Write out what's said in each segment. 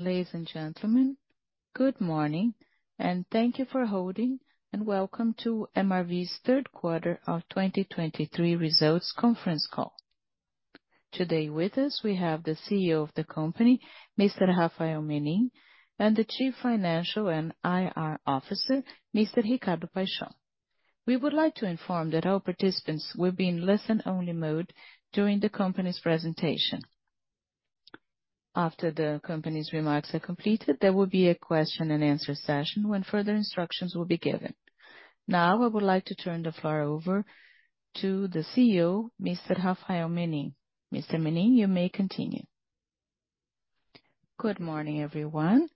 Ladies and gentlemen, good morning, and thank you for holding, and welcome to MRV's third quarter of 2023 results conference call. Today with us, we have the CEO of the company, Mr. Rafael Menin, and the Chief Financial and IR Officer, Mr. Ricardo Paixão. We would like to inform that all participants will be in listen-only mode during the company's presentation. After the company's remarks are completed, there will be a question-and-answer session, when further instructions will be given. Now, I would like to turn the floor over to the CEO, Mr. Rafael Menin. Mr. Menin, you may continue. Good morning, everyone.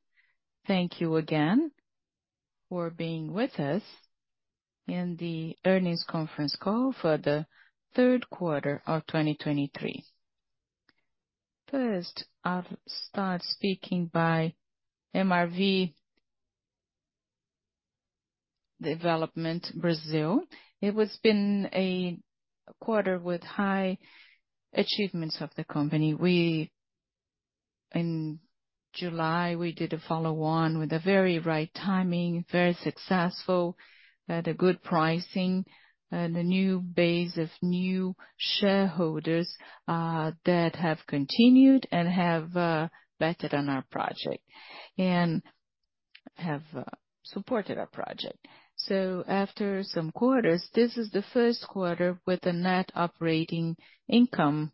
Thank you again for being with us in the earnings conference call for the third quarter of 2023. First, I'll start speaking by MRV Development Brazil. It has been a quarter with high achievements of the company. In July, we did a follow-on with the very right timing, very successful, the good pricing, the new base of new shareholders, that have continued and have betted on our project and have supported our project. So after some quarters, this is the first quarter with a net operating income.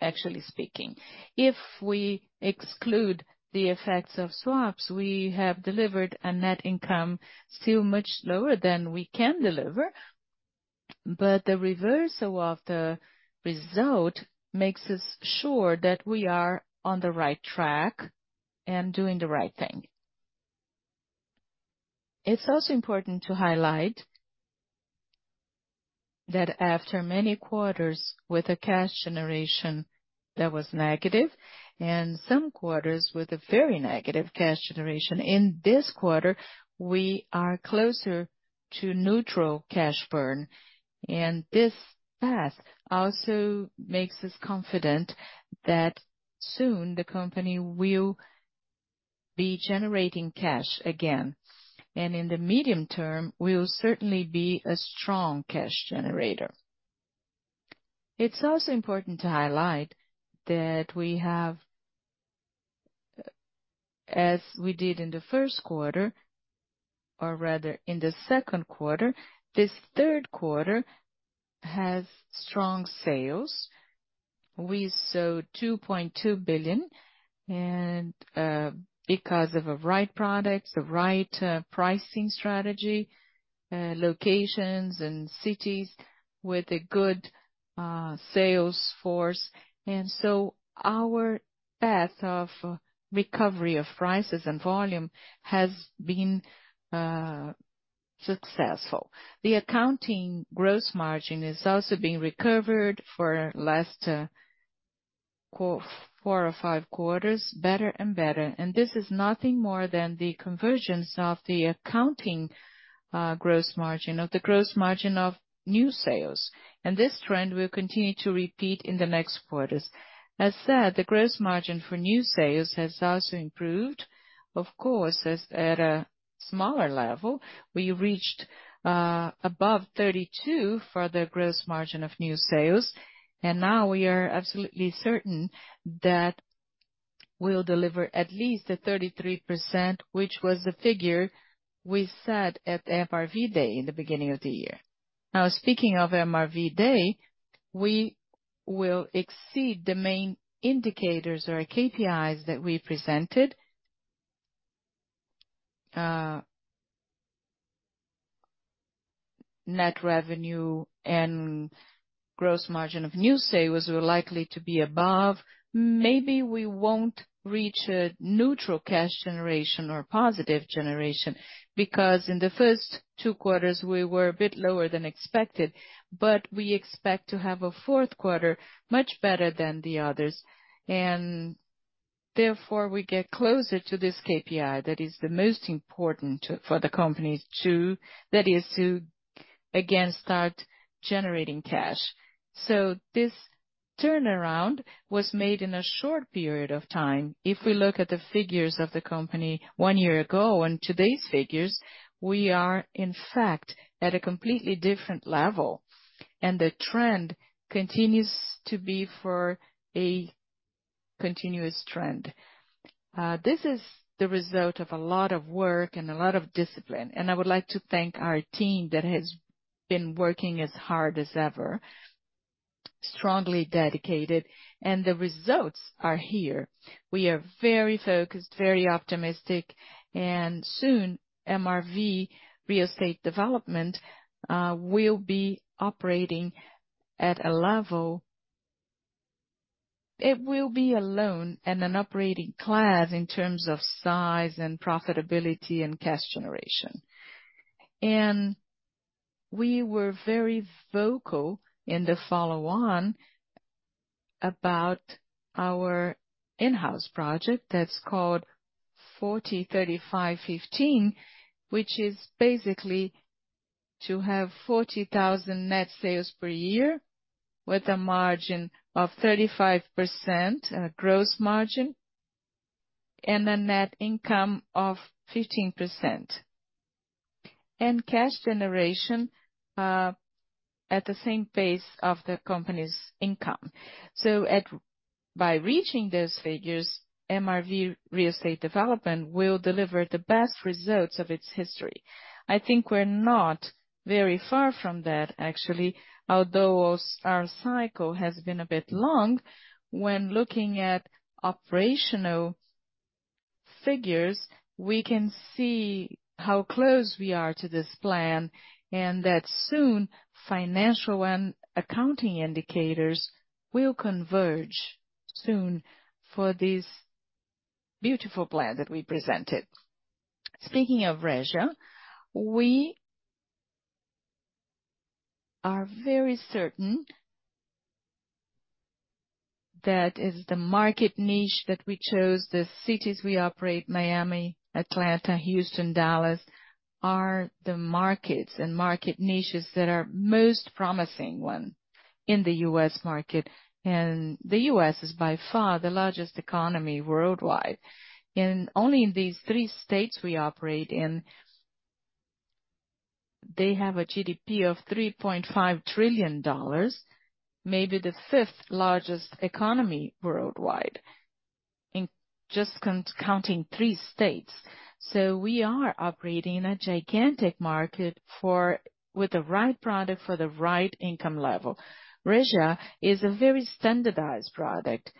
Actually speaking, if we exclude the effects of swaps, we have delivered a net income still much lower than we can deliver, but the reversal of the result makes us sure that we are on the right track and doing the right thing. It's also important to highlight that after many quarters with a cash generation that was negative and some quarters with a very negative cash generation, in this quarter, we are closer to neutral cash burn, and this path also makes us confident that soon the company will be generating cash again, and in the medium term, we'll certainly be a strong cash generator. It's also important to highlight that we have, as we did in the first quarter, or rather in the second quarter, this third quarter has strong sales. We sold 2.2 billion, and, because of the right products, the right, pricing strategy, locations and cities with a good, sales force. And so our path of recovery of prices and volume has been, successful. The accounting gross margin is also being recovered for the last four or five quarters, better and better, and this is nothing more than the conversions of the accounting gross margin of the gross margin of new sales, and this trend will continue to repeat in the next quarters. As said, the gross margin for new sales has also improved. Of course, it's at a smaller level. We reached above 32 for the gross margin of new sales, and now we are absolutely certain that we'll deliver at least 33%, which was the figure we set at MRV Day in the beginning of the year. Now, speaking of MRV Day, we will exceed the main indicators or KPIs that we presented. Net revenue and gross margin of new sales are likely to be above. Maybe we won't reach a neutral cash generation or positive generation, because in the first two quarters, we were a bit lower than expected, but we expect to have a fourth quarter much better than the others, and therefore, we get closer to this KPI that is the most important for the company to—that is to, again, start generating cash. So this turnaround was made in a short period of time. If we look at the figures of the company one year ago and today's figures, we are in fact at a completely different level, and the trend continues to be for a continuous trend. This is the result of a lot of work and a lot of discipline, and I would like to thank our team that has been working as hard as ever, strongly dedicated, and the results are here. We are very focused, very optimistic, and soon, MRV Real Estate Development will be operating at a level. It will be alone in an operating class in terms of size and profitability and cash generation. We were very vocal in the follow-on about our in-house project that's called 40, 35, 15, which is basically to have 40,000 net sales per year, with a margin of 35% gross margin, and a net income of 15%. Cash generation at the same pace of the company's income. So by reaching those figures, MRV Real Estate Development will deliver the best results of its history. I think we're not very far from that, actually, although our cycle has been a bit long. When looking at operational figures, we can see how close we are to this plan, and that soon, financial and accounting indicators will converge soon for this beautiful plan that we presented. Speaking of Resia, we are very certain that is the market niche that we chose, the cities we operate, Miami, Atlanta, Houston, Dallas, are the markets and market niches that are most promising one in the U.S. market. And the U.S. is by far the largest economy worldwide. And only in these three states we operate in, they have a GDP of $3.5 trillion, maybe the fifth largest economy worldwide, in just counting three states. So we are operating in a gigantic market with the right product for the right income level. Resia is a very standardized product.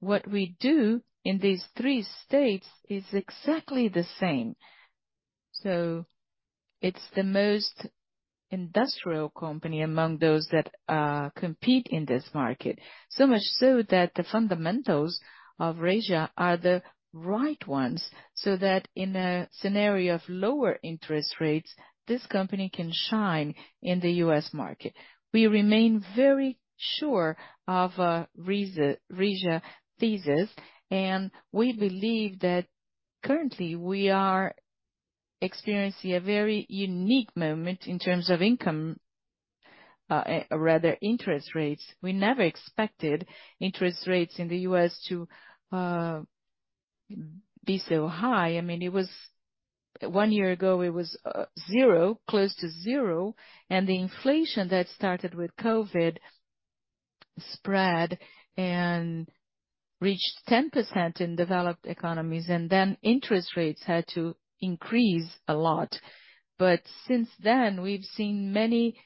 What we do in these three states is exactly the same. So it's the most industrial company among those that compete in this market. So much so that the fundamentals of Resia are the right ones, so that in a scenario of lower interest rates, this company can shine in the U.S. market. We remain very sure of Resia thesis, and we believe that currently, we are experiencing a very unique moment in terms of income, rather, interest rates. We never expected interest rates in the U.S. to be so high. I mean, it was one year ago, it was zero, close to zero, and the inflation that started with COVID spread and reached 10% in developed economies, and then interest rates had to increase a lot. But since then, we've seen many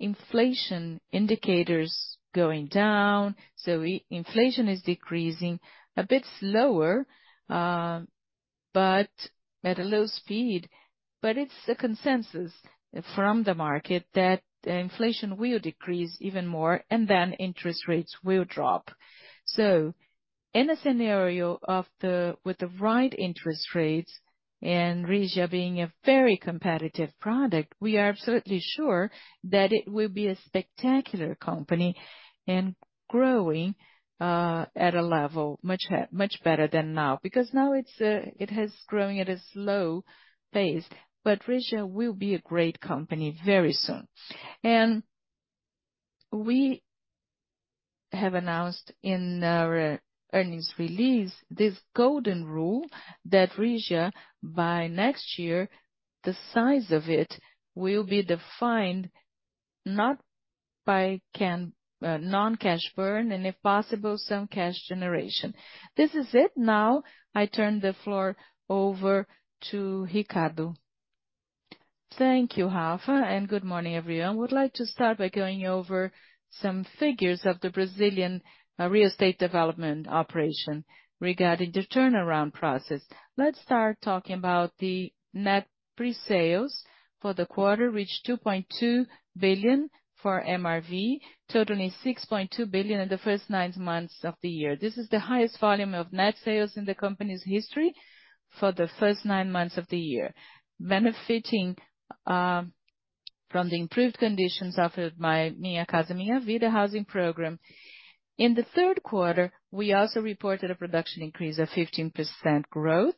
inflation indicators going down, so inflation is decreasing a bit slower, but at a low speed. But it's a consensus from the market that inflation will decrease even more, and then interest rates will drop. So in a scenario of the with the right interest rates and Resia being a very competitive product, we are absolutely sure that it will be a spectacular company and growing at a level much better than now. Because now it's, it has growing at a slow pace, but Resia will be a great company very soon. And we have announced in our earnings release, this golden rule that Resia, by next year, the size of it will be defined not by non-cash burn, and if possible, some cash generation. This is it. Now, I turn the floor over to Ricardo. Thank you, Rafa, and good morning, everyone. I would like to start by going over some figures of the Brazilian real estate development operation regarding the turnaround process. Let's start talking about the net pre-sales for the quarter, reached 2.2 billion for MRV, totaling 6.2 billion in the first nine months of the year. This is the highest volume of net sales in the company's history for the first nine months of the year. Benefiting from the improved conditions offered by Minha Casa, Minha Vida housing program. In the third quarter, we also reported a production increase of 15% growth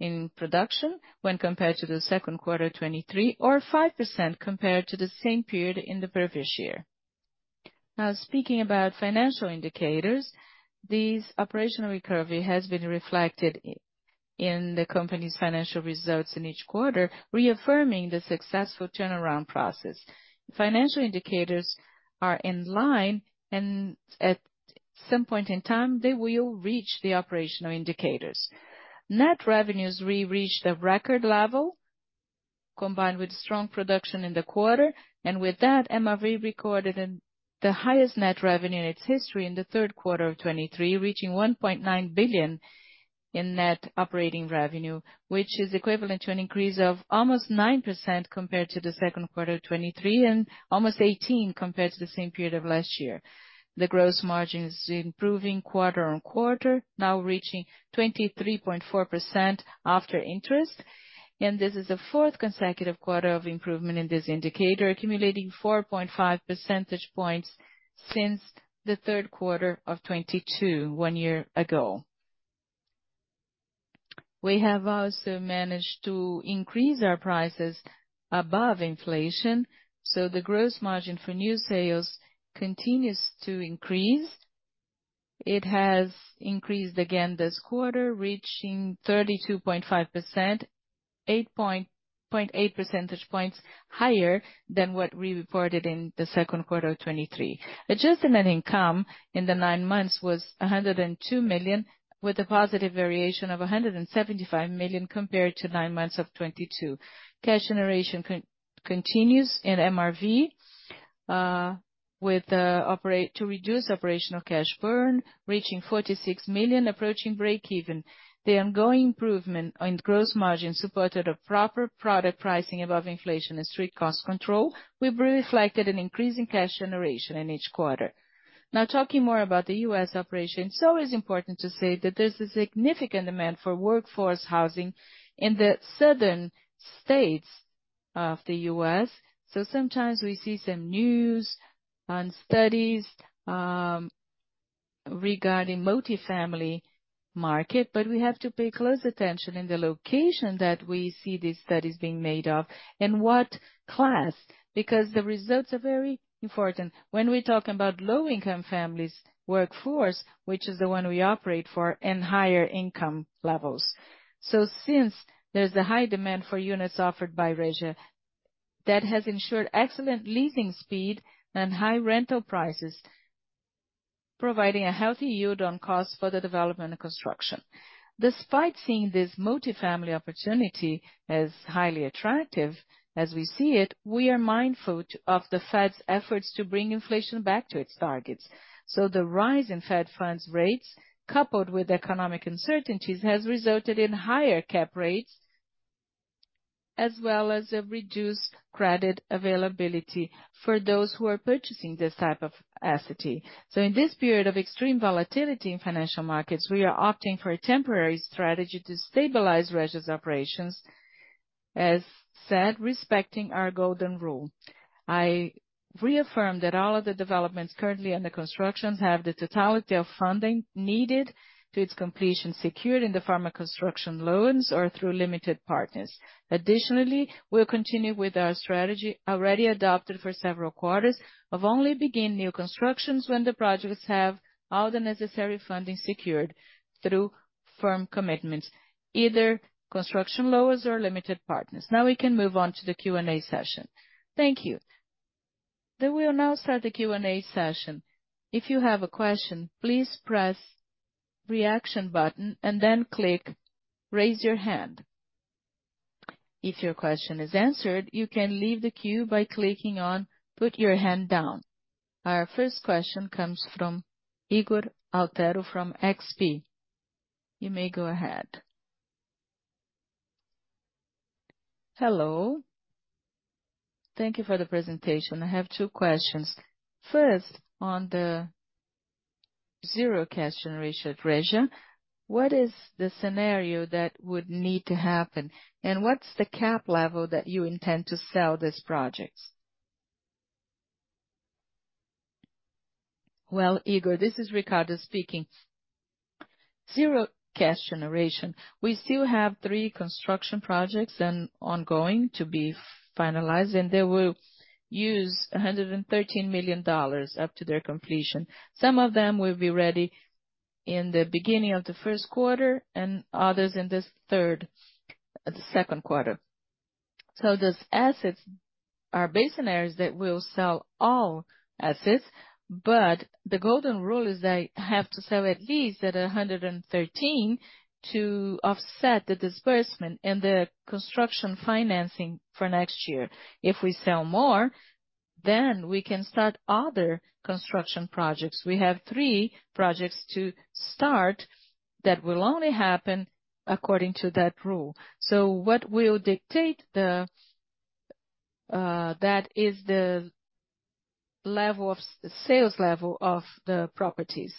in production when compared to the second quarter 2023, or 5% compared to the same period in the previous year. Now, speaking about financial indicators, this operational recovery has been reflected in the company's financial results in each quarter, reaffirming the successful turnaround process. Financial indicators are in line, and at some point in time, they will reach the operational indicators. Net revenues reached a record level, combined with strong production in the quarter, and with that, MRV recorded the highest net revenue in its history in the third quarter of 2023, reaching 1.9 billion in net operating revenue, which is equivalent to an increase of almost 9% compared to the second quarter of 2023, and almost 18% compared to the same period of last year. The gross margin is improving quarter-on-quarter, now reaching 23.4% after interest, and this is the fourth consecutive quarter of improvement in this indicator, accumulating 4.5 percentage points since the third quarter of 2022, one year ago.... We have also managed to increase our prices above inflation, so the gross margin for new sales continues to increase. It has increased again this quarter, reaching 32.5%, 0.8 percentage points higher than what we reported in the second quarter of 2023. Adjusted income in the nine months was 102 million, with a positive variation of 175 million compared to nine months of 2022. Cash generation continues in MRV to reduce operational cash burn, reaching 46 million, approaching breakeven. The ongoing improvement in gross margin supported a proper product pricing above inflation and strict cost control. We reflected an increase in cash generation in each quarter. Now, talking more about the U.S. operation, it's always important to say that there's a significant demand for workforce housing in the southern states of the U.S. So sometimes we see some news on studies, regarding multifamily market, but we have to pay close attention in the location that we see these studies being made of and what class, because the results are very important. When we talk about low-income families workforce, which is the one we operate for, and higher income levels. So since there's a high demand for units offered by Resia, that has ensured excellent leasing speed and high rental prices, providing a healthy yield on cost for the development and construction. Despite seeing this multifamily opportunity as highly attractive as we see it, we are mindful of the Fed's efforts to bring inflation back to its targets. So the rise in Fed funds rates, coupled with economic uncertainties, has resulted in higher cap rates, as well as a reduced credit availability for those who are purchasing this type of asset. So in this period of extreme volatility in financial markets, we are opting for a temporary strategy to stabilize Resia's operations, as said, respecting our golden rule. I reaffirm that all of the developments currently under construction have the totality of funding needed to its completion, secured in the form of construction loans or through limited partners. Additionally, we'll continue with our strategy already adopted for several quarters of only begin new constructions when the projects have all the necessary funding secured through firm commitments, either construction loans or limited partners. Now we can move on to the Q&A session. Thank you. Then we'll now start the Q&A session. If you have a question, please press Reaction button and then click Raise Your Hand. If your question is answered, you can leave the queue by clicking on Put Your Hand Down. Our first question comes from Ygor Altero from XP. You may go ahead. Hello. Thank you for the presentation. I have two questions. First, on the zero cash generation at Resia, what is the scenario that would need to happen? And what's the cap rate that you intend to sell these projects? Well, Ygor, this is Ricardo speaking. Zero cash generation. We still have three construction projects ongoing to be finalized, and they will use $113 million up to their completion. Some of them will be ready in the beginning of the first quarter and others in the third, the second quarter. So these assets are based on areas that will sell all assets, but the golden rule is I have to sell at least at $113 million to offset the disbursement and the construction financing for next year. If we sell more, then we can start other construction projects. We have three projects to start that will only happen according to that rule. So what will dictate that is the level of sales level of the properties.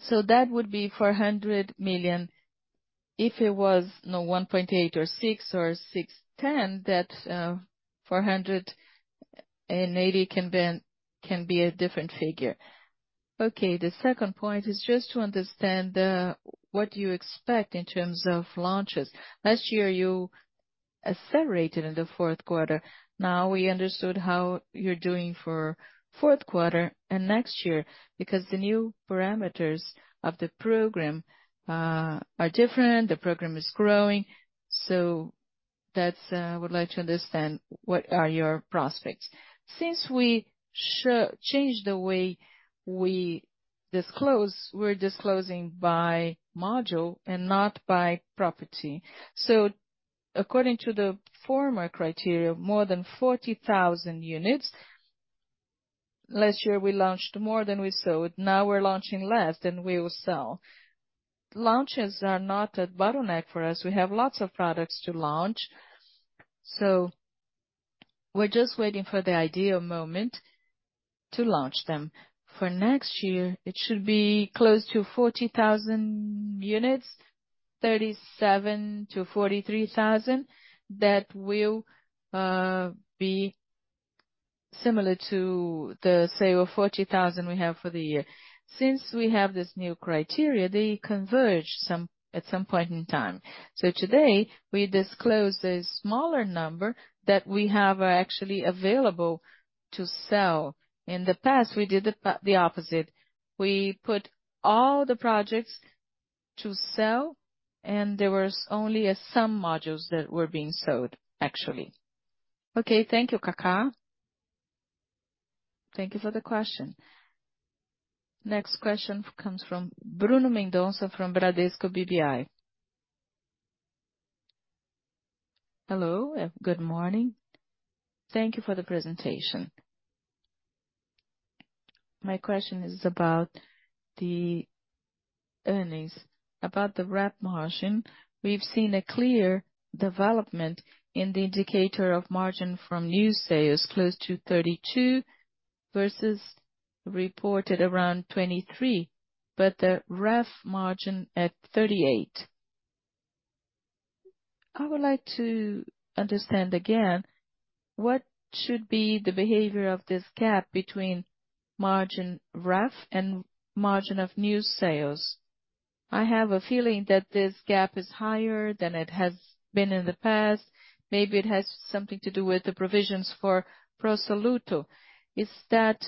So that would be 400 million. If it was, you know, 1.8 or 6 or 610, that 480 can be a different figure. Okay, the second point is just to understand what do you expect in terms of launches. Last year, you accelerated in the fourth quarter. Now, we understood how you're doing for fourth quarter and next year, because the new parameters of the program are different, the program is growing. So that's, I would like to understand, what are your prospects? Since we changed the way we disclose, we're disclosing by module and not by property. So according to the former criteria, more than 40,000 units. Last year, we launched more than we sold. Now we're launching less than we will sell. Launches are not a bottleneck for us. We have lots of products to launch, so we're just waiting for the ideal moment to launch them. For next year, it should be close to 40,000 units, 37,000-43,000, that will be similar to the sale of 40,000 we have for the year. Since we have this new criteria, they converge some, at some point in time. So today, we disclose a smaller number that we have actually available to sell. In the past, we did the opposite. We put all the projects to sell, and there was only some modules that were being sold, actually. Okay, thank you, Cac`a. Thank you for the question. Next question comes from Bruno Mendonça from Bradesco BBI. Hello, and good morning. Thank you for the presentation. My question is about the earnings, about the REF margin. We've seen a clear development in the indicator of margin from new sales, close to 32 versus reported around 23, but the REF margin at 38. I would like to understand again, what should be the behavior of this gap between margin REV and margin of new sales? I have a feeling that this gap is higher than it has been in the past. Maybe it has something to do with the provisions for Pro Soluto. Is that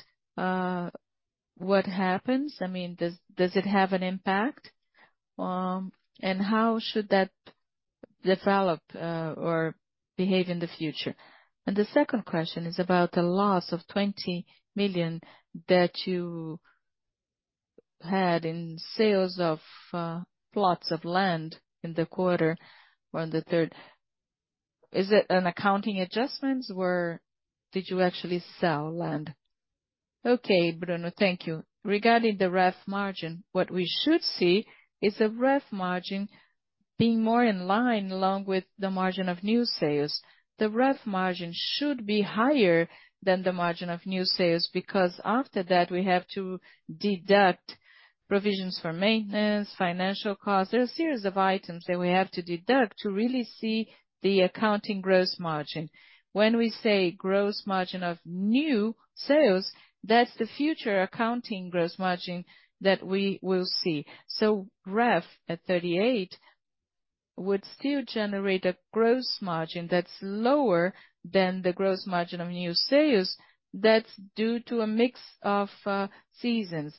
what happens? I mean, does it have an impact? And how should that develop or behave in the future? The second question is about the loss of 20 million that you had in sales of plots of land in the quarter, on the third. Is it an accounting adjustments, or did you actually sell land? Okay, Bruno, thank you. Regarding the REF margin, what we should see is a REF margin being more in line, along with the margin of new sales. The REF margin should be higher than the margin of new sales, because after that, we have to deduct provisions for maintenance, financial costs. There are a series of items that we have to deduct to really see the accounting gross margin. When we say gross margin of new sales, that's the future accounting gross margin that we will see. So REV, at 38, would still generate a gross margin that's lower than the gross margin of new sales. That's due to a mix of seasons.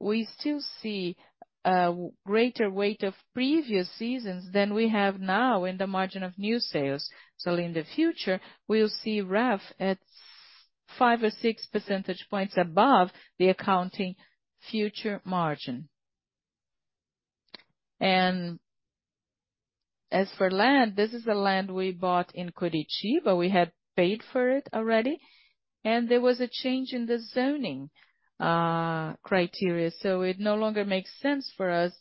We still see a greater weight of previous seasons than we have now in the margin of new sales. So in the future, we'll see REV at five or six percentage points above the accounting future margin. And as for land, this is the land we bought in Curitiba. We had paid for it already, and there was a change in the zoning criteria, so it no longer makes sense for us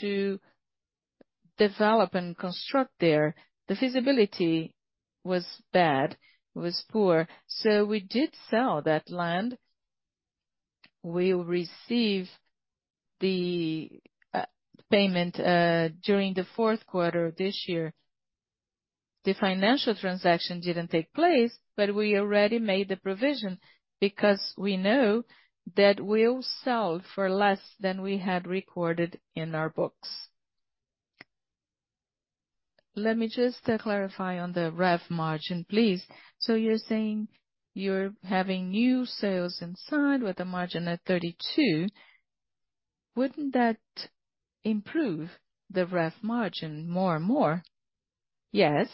to develop and construct there. The feasibility was bad, it was poor, so we did sell that land. We'll receive the payment during the fourth quarter of this year. The financial transaction didn't take place, but we already made the provision because we know that we'll sell for less than we had recorded in our books. Let me just clarify on the REF margin, please. So you're saying you're having new sales inside with a margin at 32. Wouldn't that improve the REF Margin more and more? Yes.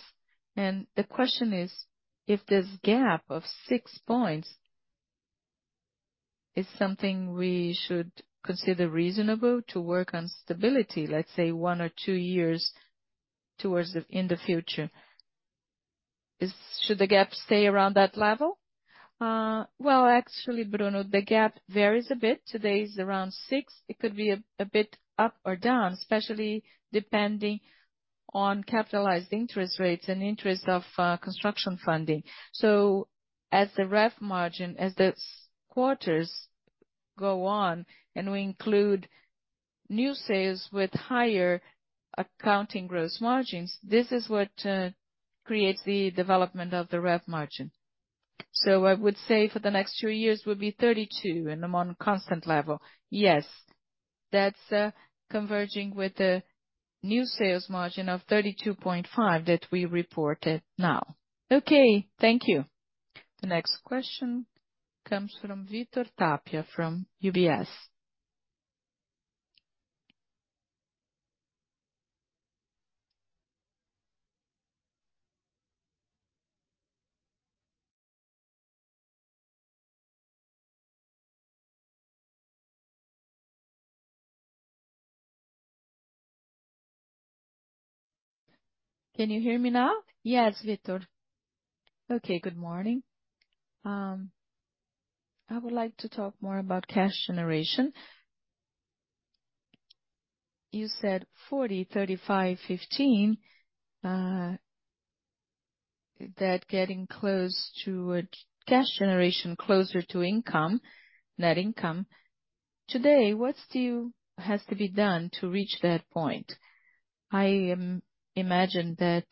And the question is, if this gap of 6 points is something we should consider reasonable to work on stability, let's say, one or two years toward the future. Should the gap stay around that level? Well, actually, Bruno, the gap varies a bit. Today, it's around 6. It could be a bit up or down, especially depending on capitalized interest rates and interest of construction funding. So as the REF margin, as the quarters go on and we include new sales with higher accounting gross margins, this is what creates the development of the REF margin. So I would say for the next two years would be 32 and among constant level. Yes. That's converging with the new sales margin of 32.5 that we reported now. Okay, thank you. The next question comes from Victor Tapia from UBS. Can you hear me now? Yes, Victor. Okay, good morning. I would like to talk more about cash generation. You said 40, 35, 15, that getting close to cash generation, closer to income, net income... Today, what still has to be done to reach that point? I imagine that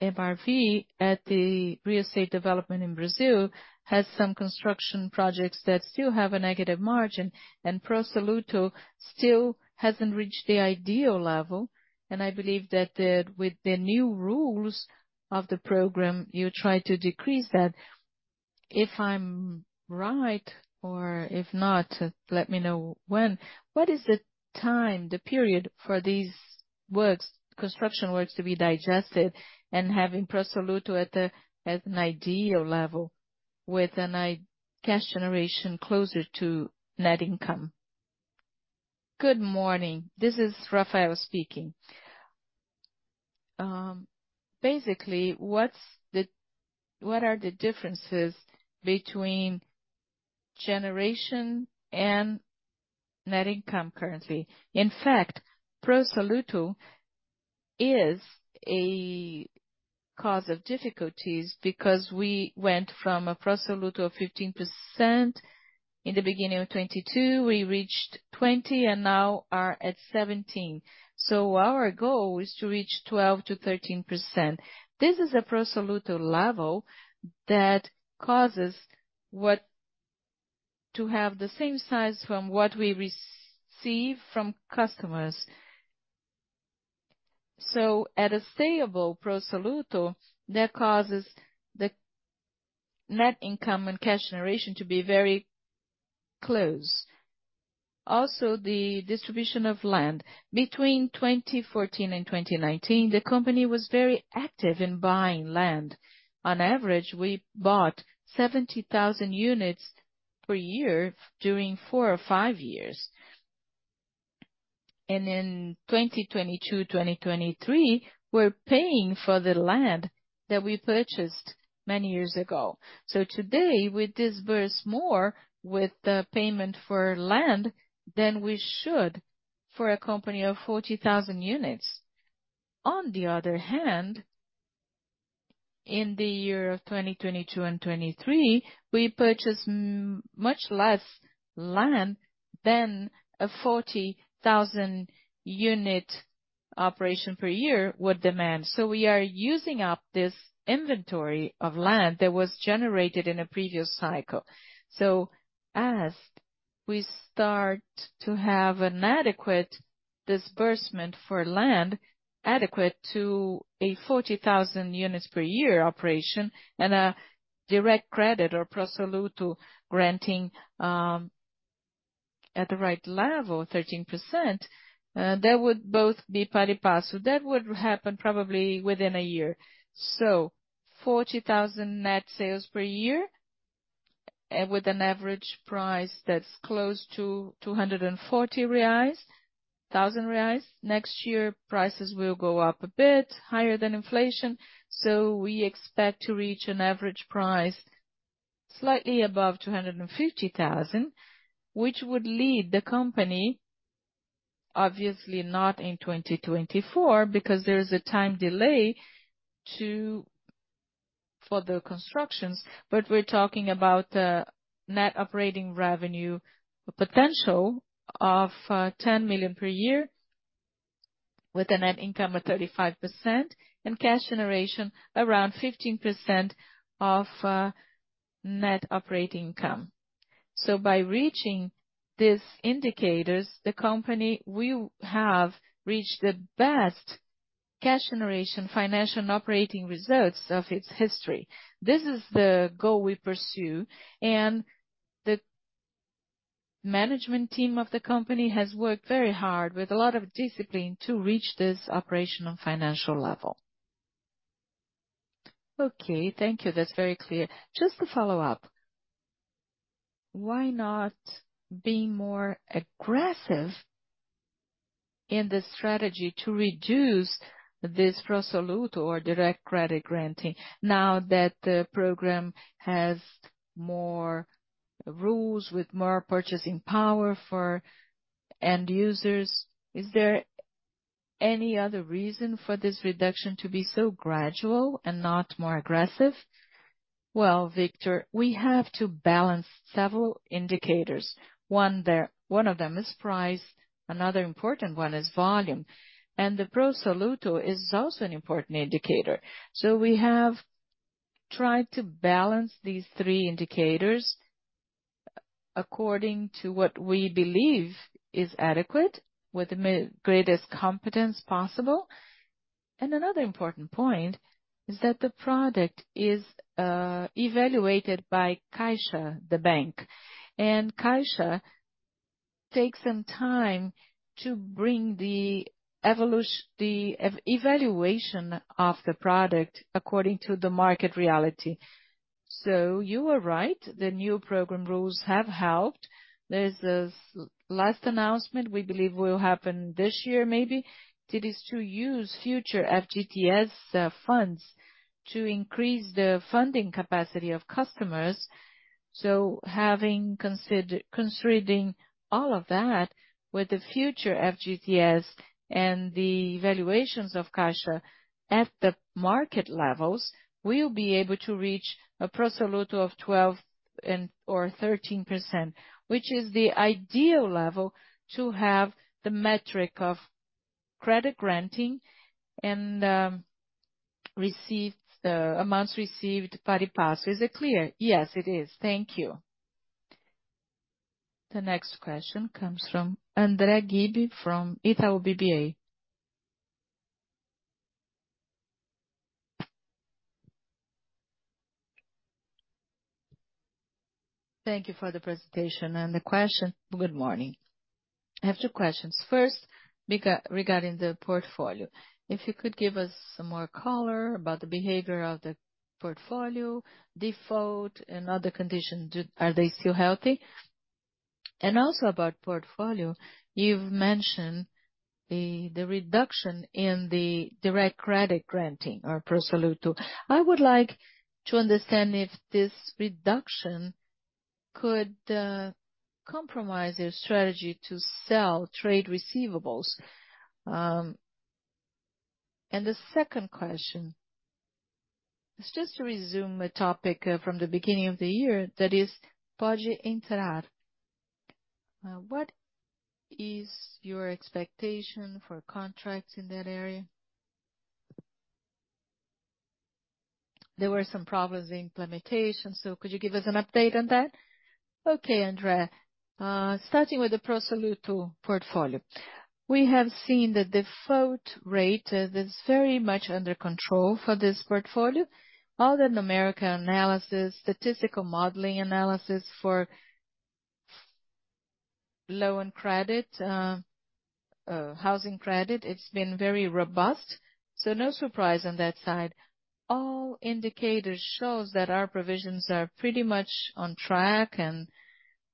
MRV at the real estate development in Brazil, has some construction projects that still have a negative margin, and Pro Soluto still hasn't reached the ideal level. And I believe that with the new rules of the program, you try to decrease that. If I'm right, or if not, let me know when. What is the time, the period for these works, construction works to be digested and having Pro Soluto at an ideal level with an ideal cash generation closer to net income? Good morning. This is Rafael speaking. Basically, what are the differences between generation and net income currently? In fact, Pro Soluto is a cause of difficulties, because we went from a Pro Soluto of 15% in the beginning of 2022, we reached 20, and now are at 17. So our goal is to reach 12%-13%. This is a Pro Soluto level that causes what to have the same size from what we receive from customers. So at a stable Pro Soluto, that causes the net income and cash generation to be very close. Also, the distribution of land. Between 2014 and 2019, the company was very active in buying land. On average, we bought 70,000 units per year during four or five years. In 2022, 2023, we're paying for the land that we purchased many years ago. So today, we disburse more with the payment for land than we should for a company of 40,000 units. On the other hand, in the year of 2022 and 2023, we purchased much less land than a 40,000 unit operation per year would demand. So we are using up this inventory of land that was generated in a previous cycle. So as we start to have an adequate disbursement for land, adequate to a 40,000 units per year operation and a direct credit or Pro Soluto granting, at the right level, 13%, that would both be pari passu. That would happen probably within a year. So 40,000 net sales per year, and with an average price that's close to 240,000 reais. Next year, prices will go up a bit higher than inflation, so we expect to reach an average price slightly above 250,000, which would lead the company, obviously not in 2024, because there is a time delay for the constructions. But we're talking about a net operating revenue potential of 10 million per year, with a net income of 35% and cash generation around 15% of net operating income. So by reaching these indicators, the company will have reached the best cash generation, financial and operating results of its history. This is the goal we pursue, and the management team of the company has worked very hard with a lot of discipline to reach this operational and financial level. Okay, thank you. That's very clear. Just to follow up, why not be more aggressive in the strategy to reduce this Pro Soluto or direct credit granting, now that the program has more rules with more purchasing power for end users? Is there any other reason for this reduction to be so gradual and not more aggressive? Well, Victor, we have to balance several indicators. One of them is price, another important one is volume, and the Pro Soluto is also an important indicator. So we have tried to balance these three indicators according to what we believe is adequate, with the greatest competence possible. And another important point is that the product is evaluated by Caixa, the bank. And Caixa takes some time to bring the evaluation of the product according to the market reality. So you are right, the new program rules have helped. There's this last announcement we believe will happen this year maybe, that is to use future FGTS funds to increase the funding capacity of customers. So having considering all of that, with the future FGTS and the evaluations of Caixa at the market levels, we will be able to reach a Pro Soluto of 12 and/or 13%, which is the ideal level to have the metric of credit granting and receipts, the amounts received by the past. Is it clear? Yes, it is. Thank you. The next question comes from Andr`e Dibel from Itaú BBA. Thank you for the presentation and the question. Good morning. I have two questions. First, regarding the portfolio, if you could give us some more color about the behavior of the portfolio, default, and other conditions, are they still healthy? And also about portfolio, you've mentioned the reduction in the direct credit granting or Pro Soluto. I would like to understand if this reduction could compromise your strategy to sell trade receivables. And the second question is just to resume a topic from the beginning of the year, that is, Pode Entrar. What is your expectation for contracts in that area? There were some problems in implementation, so could you give us an update on that? Okay, Andr`e, starting with the Pro Soluto portfolio. We have seen the default rate is very much under control for this portfolio. All the numerical analysis, statistical modeling analysis for loan credit, housing credit, it's been very robust, so no surprise on that side. All indicators shows that our provisions are pretty much on track, and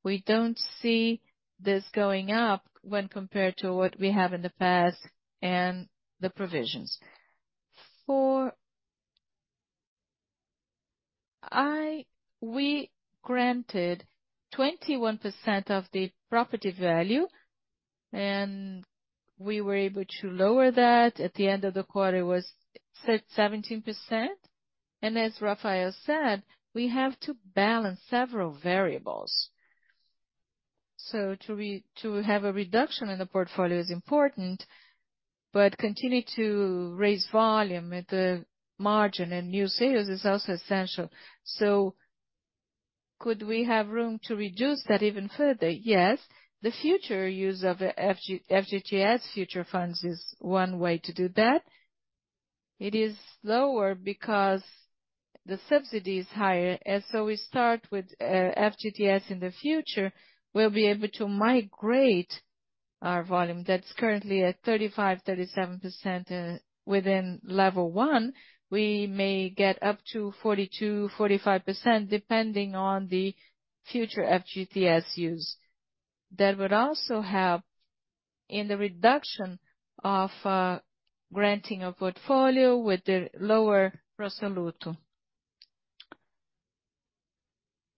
we don't see this going up when compared to what we have in the past and the provisions. We granted 21% of the property value, and we were able to lower that. At the end of the quarter, it was seventeen percent. And as Rafael said, we have to balance several variables. So to have a reduction in the portfolio is important, but continue to raise volume at the margin and new sales is also essential. So could we have room to reduce that even further? Yes. The future use of FGTS future funds is one way to do that. It is lower because the subsidy is higher, and so we start with FGTS in the future, we'll be able to migrate our volume that's currently at 35%-37% within level one. We may get up to 42%-45%, depending on the future FGTS use. That would also help in the reduction of granting a portfolio with the lower Pro Soluto.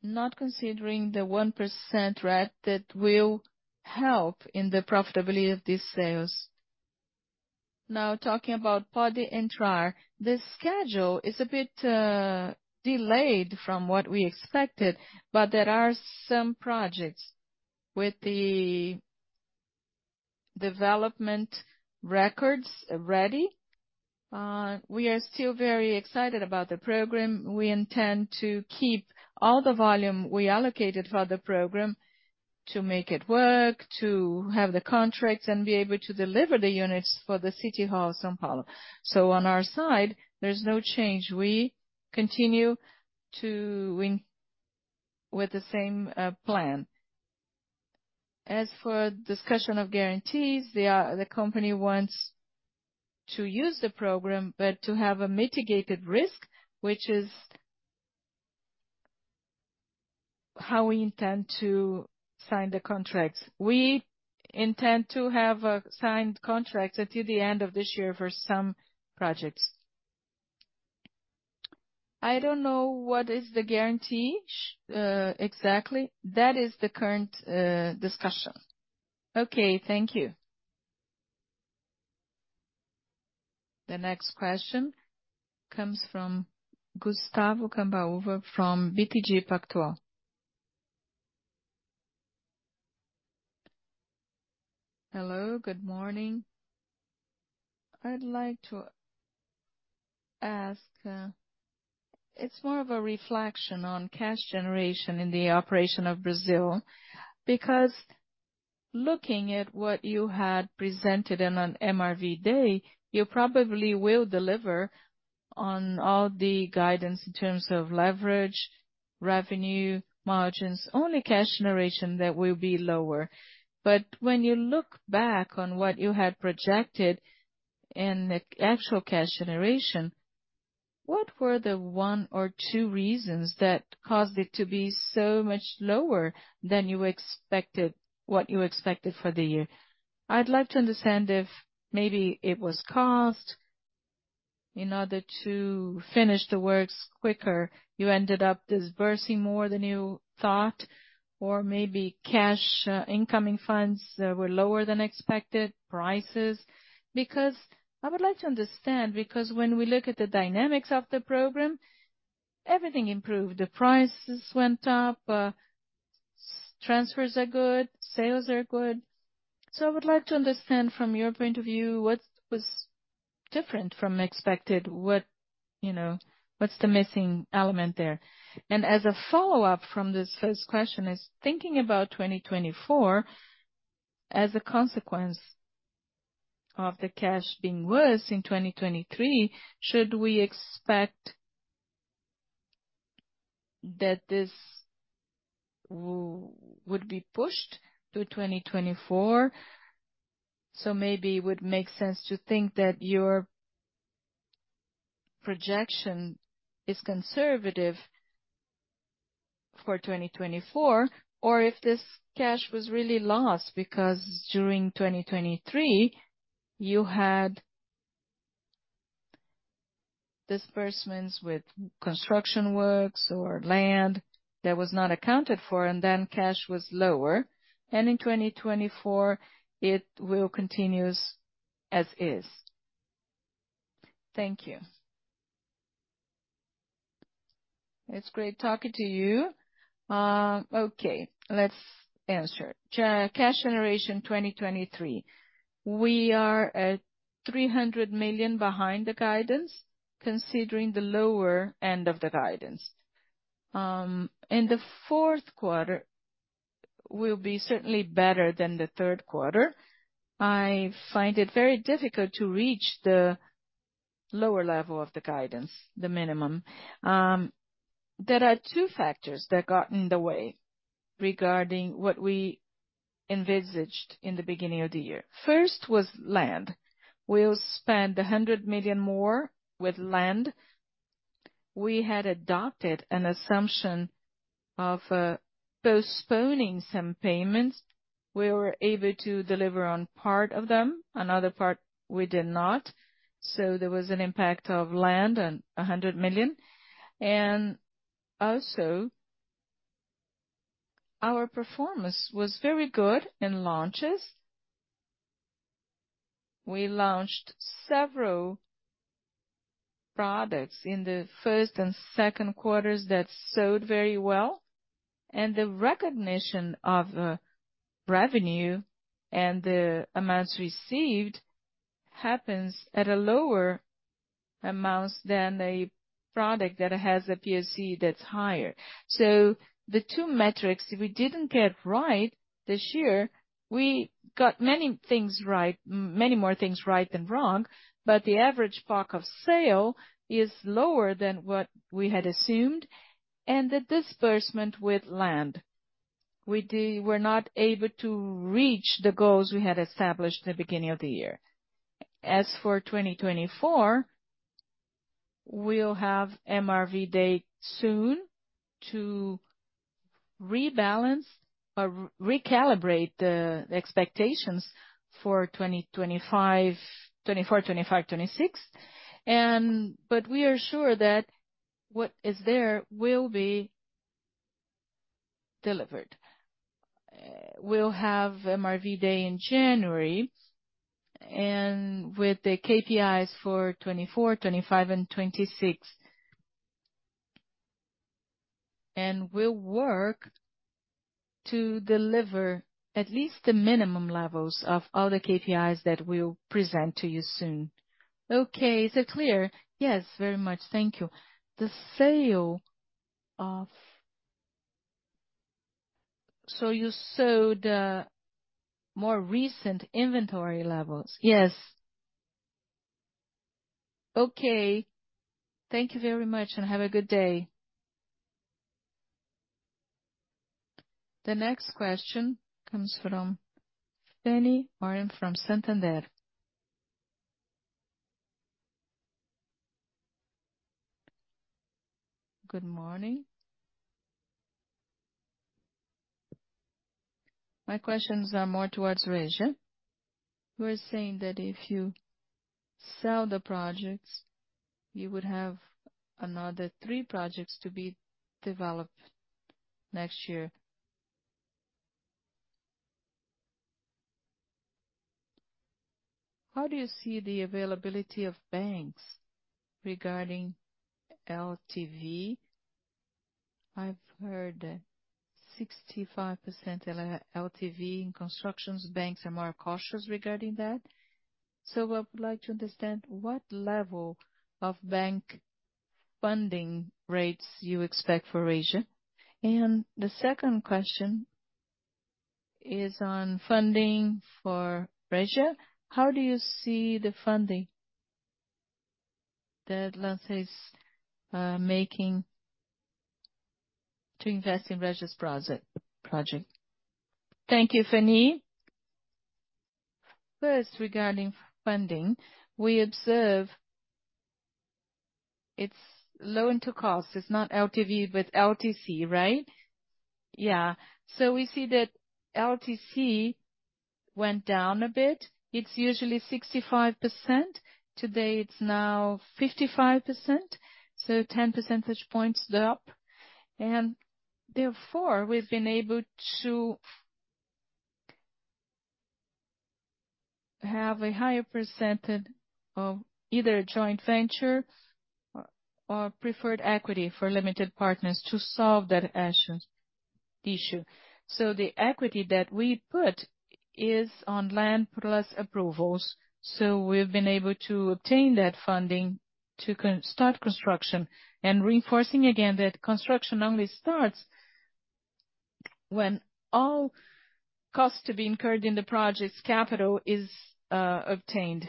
Not considering the 1% rate, that will help in the profitability of these sales. Now, talking about Pode Entrar, the schedule is a bit delayed from what we expected, but there are some projects with the development records ready. We are still very excited about the program. We intend to keep all the volume we allocated for the program to make it work, to have the contracts, and be able to deliver the units for the City Hall of São Paulo. So on our side, there's no change. We continue to win with the same plan. As for discussion of guarantees, they are the company wants to use the program, but to have a mitigated risk, which is how we intend to sign the contracts. We intend to have signed contracts until the end of this year for some projects. I don't know what is the guarantee, exactly. That is the current discussion. Okay, thank you. The next question comes from Gustavo Cambauva from BTG Pactual. Hello, good morning. I'd like to ask, it's more of a reflection on cash generation in the operation of Brazil, because looking at what you had presented in an MRV day, you probably will deliver on all the guidance in terms of leverage, revenue, margins, only cash generation that will be lower. But when you look back on what you had projected and the actual cash generation, what were the one or two reasons that caused it to be so much lower than you expected, what you expected for the year? I'd like to understand if maybe it was cost, in order to finish the works quicker, you ended up disbursing more than you thought, or maybe cash, incoming funds, were lower than expected, prices. Because I would like to understand, because when we look at the dynamics of the program, everything improved. The prices went up... Transfers are good, sales are good. So I would like to understand from your point of view, what was different from expected, what, you know, what's the missing element there? And as a follow-up from this first question is: thinking about 2024, as a consequence of the cash being worse in 2023, should we expect... that this would be pushed to 2024? So maybe it would make sense to think that your projection is conservative for 2024, or if this cash was really lost, because during 2023, you had disbursements with construction works or land that was not accounted for, and then cash was lower, and in 2024, it will continues as is. Thank you. It's great talking to you. Okay, let's answer. Cash generation 2023. We are at 300 million behind the guidance, considering the lower end of the guidance. And the fourth quarter will be certainly better than the third quarter. I find it very difficult to reach the lower level of the guidance, the minimum. There are two factors that got in the way regarding what we envisaged in the beginning of the year. First, was land. We'll spend 100 million more with land. We had adopted an assumption of postponing some payments. We were able to deliver on part of them, another part we did not. So there was an impact of land and 100 million. And also, our performance was very good in launches. We launched several products in the first and second quarters that sold very well, and the recognition of revenue and the amounts received happens at a lower amounts than a product that has a POC that's higher. So the two metrics we didn't get right this year, we got many things right, many more things right than wrong, but the average price of sale is lower than what we had assumed, and the disbursement with land. We were not able to reach the goals we had established in the beginning of the year. As for 2024, we'll have MRV day soon to rebalance or recalibrate the expectations for 2025, 2024, 2025, 2026. But we are sure that what is there will be delivered. We'll have MRV day in January, and with the KPIs for 2024, 2025 and 2026. And we'll work to deliver at least the minimum levels of all the KPIs that we'll present to you soon. Okay. Is it clear? Yes, very much. Thank you. The sale of... So you sold more recent inventory levels? Yes. Okay. Thank you very much, and have a good day. The next question comes from Fanny Oreng from Santander. Good morning. My questions are more towards Resia. We're saying that if you sell the projects, you would have another three projects to be developed next year. How do you see the availability of banks regarding LTV? I've heard 65% LTV in constructions. Banks are more cautious regarding that. So I would like to understand, what level of bank funding rates you expect for Resia? And the second question is on funding for Resia. How do you see the funding that lenders are making to invest in Resia's project? Thank you, Fanny. First, regarding funding, we observe it's loan to cost. It's not LTV, but LTC, right? Yeah. So we see that LTC went down a bit. It's usually 65%. Today, it's now 55%, so ten percentage points drop, and therefore, we've been able to have a higher percentage of either joint venture or preferred equity for limited partners to solve that issue. So the equity that we put is on land plus approvals. So we've been able to obtain that funding to start construction. And reinforcing again, that construction only starts when all costs to be incurred in the project's capital is obtained,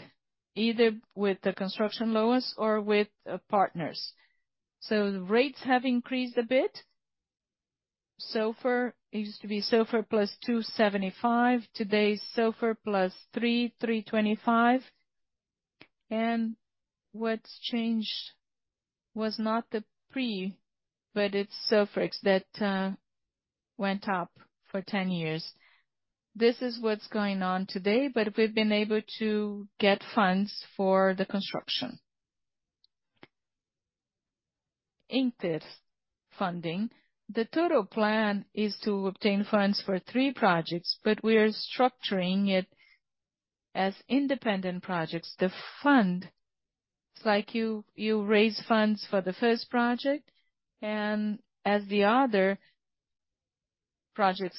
either with the construction loans or with partners. So the rates have increased a bit. SOFR, it used to be SOFR plus 275, today, SOFR plus 325. What's changed was not the pre, but it's SOFR that went up for 10 years. This is what's going on today, but we've been able to get funds for the construction. In this funding, the total plan is to obtain funds for 3 projects, but we are structuring it as independent projects. The fund, it's like you raise funds for the first project, and as the other project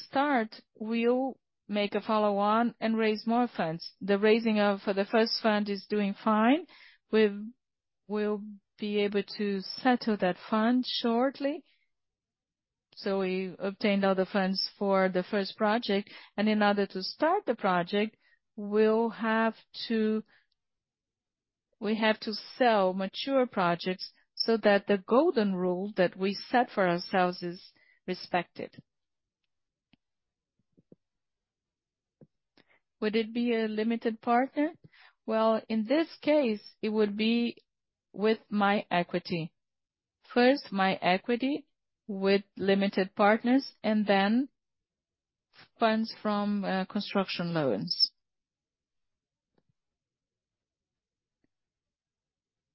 start, we'll make a follow on and raise more funds. The raising of for the first fund is doing fine. We'll be able to settle that fund shortly. So we obtained all the funds for the first project, and in order to start the project, we'll have to... We have to sell mature projects so that the golden rule that we set for ourselves is respected. Would it be a limited partner? Well, in this case, it would be with my equity. First, my equity with limited partners, and then funds from construction loans.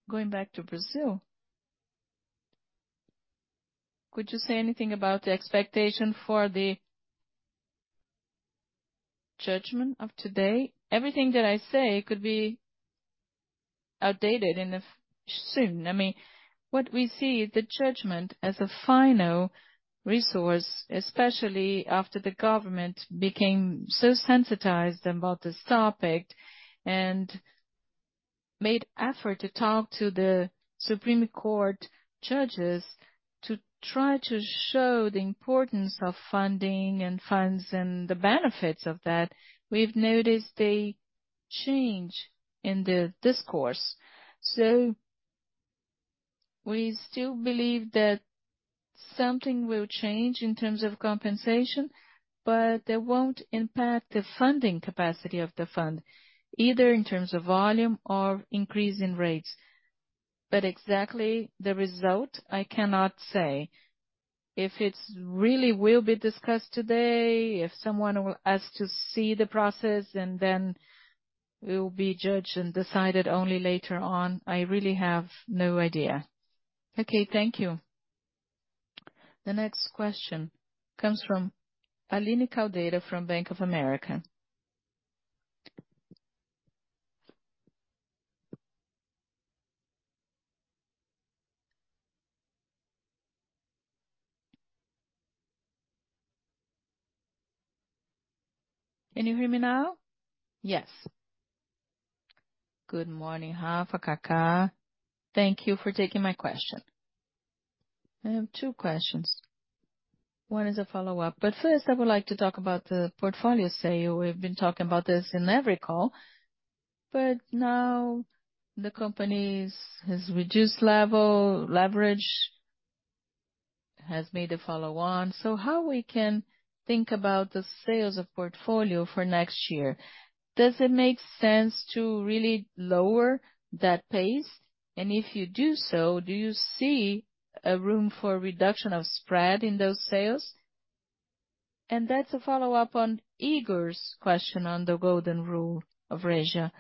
Going back to Brazil. Could you say anything about the expectation for the judgment of today? Everything that I say could be outdated in the soon. I mean, what we see, the judgment as a final resource, especially after the government became so sensitized about this topic and made effort to talk to the Supreme Court judges to try to show the importance of funding and funds and the benefits of that, we've noticed a change in the discourse. So we still believe that something will change in terms of compensation, but that won't impact the funding capacity of the fund, either in terms of volume or increase in rates. But exactly the result, I cannot say. If it's really will be discussed today, if someone will ask to see the process, and then it will be judged and decided only later on, I really have no idea. Okay, thank you. The next question comes from Aline Caldeira from Bank of America. Can you hear me now? Yes. Good morning, Rafa, Cacá. Thank you for taking my question. I have two questions. One is a follow-up, but first, I would like to talk about the portfolio sale. We've been talking about this in every call, but now the company has reduced leverage level, has made a follow on. So how we can think about the sales of portfolio for next year? Does it make sense to really lower that pace? And if you do so, do you see a room for reduction of spread in those sales? And that's a follow-up on Ygor's question on the golden rule of Resia.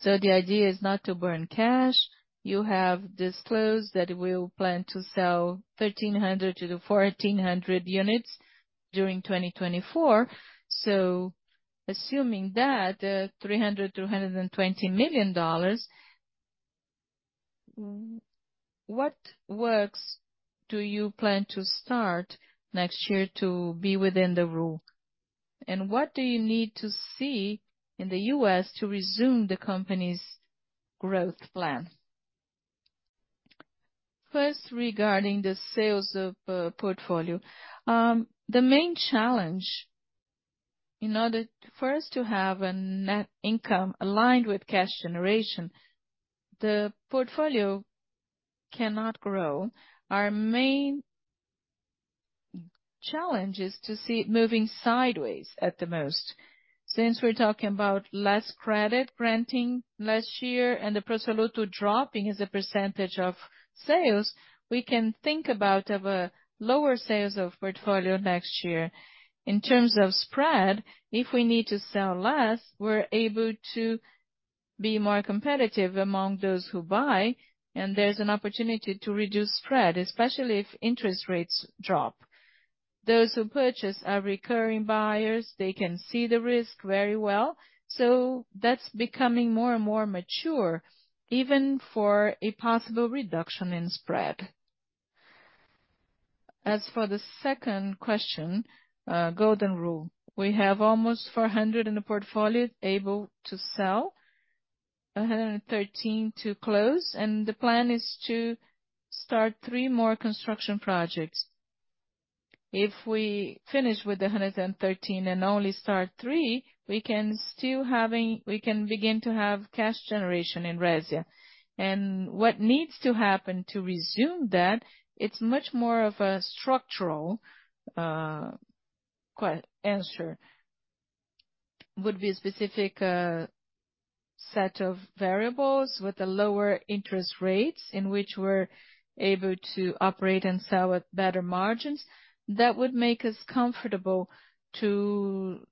So the idea is not to burn cash. You have disclosed that we'll plan to sell 1,300-1,400 units during 2024. So assuming that, $320 million, what works do you plan to start next year to be within the rule? And what do you need to see in the U.S. to resume the company's growth plan? First, regarding the sales of portfolio. The main challenge, in order for us to have a net income aligned with cash generation, the portfolio cannot grow. Our main challenge is to see it moving sideways at the most. Since we're talking about less credit granting last year and the Pro Soluto dropping as a percentage of sales, we can think about a lower sales of portfolio next year. In terms of spread, if we need to sell less, we're able to be more competitive among those who buy, and there's an opportunity to reduce spread, especially if interest rates drop. Those who purchase are recurring buyers. They can see the risk very well, so that's becoming more and more mature, even for a possible reduction in spread. As for the second question, golden rule, we have almost 400 in the portfolio able to sell, 113 to close, and the plan is to start 3 more construction projects. If we finish with 113 and only start 3, we can still having—we can begin to have cash generation in Resia. And what needs to happen to resume that, it's much more of a structural key answer. Would be a specific set of variables with the lower interest rates, in which we're able to operate and sell at better margins. That would make us comfortable to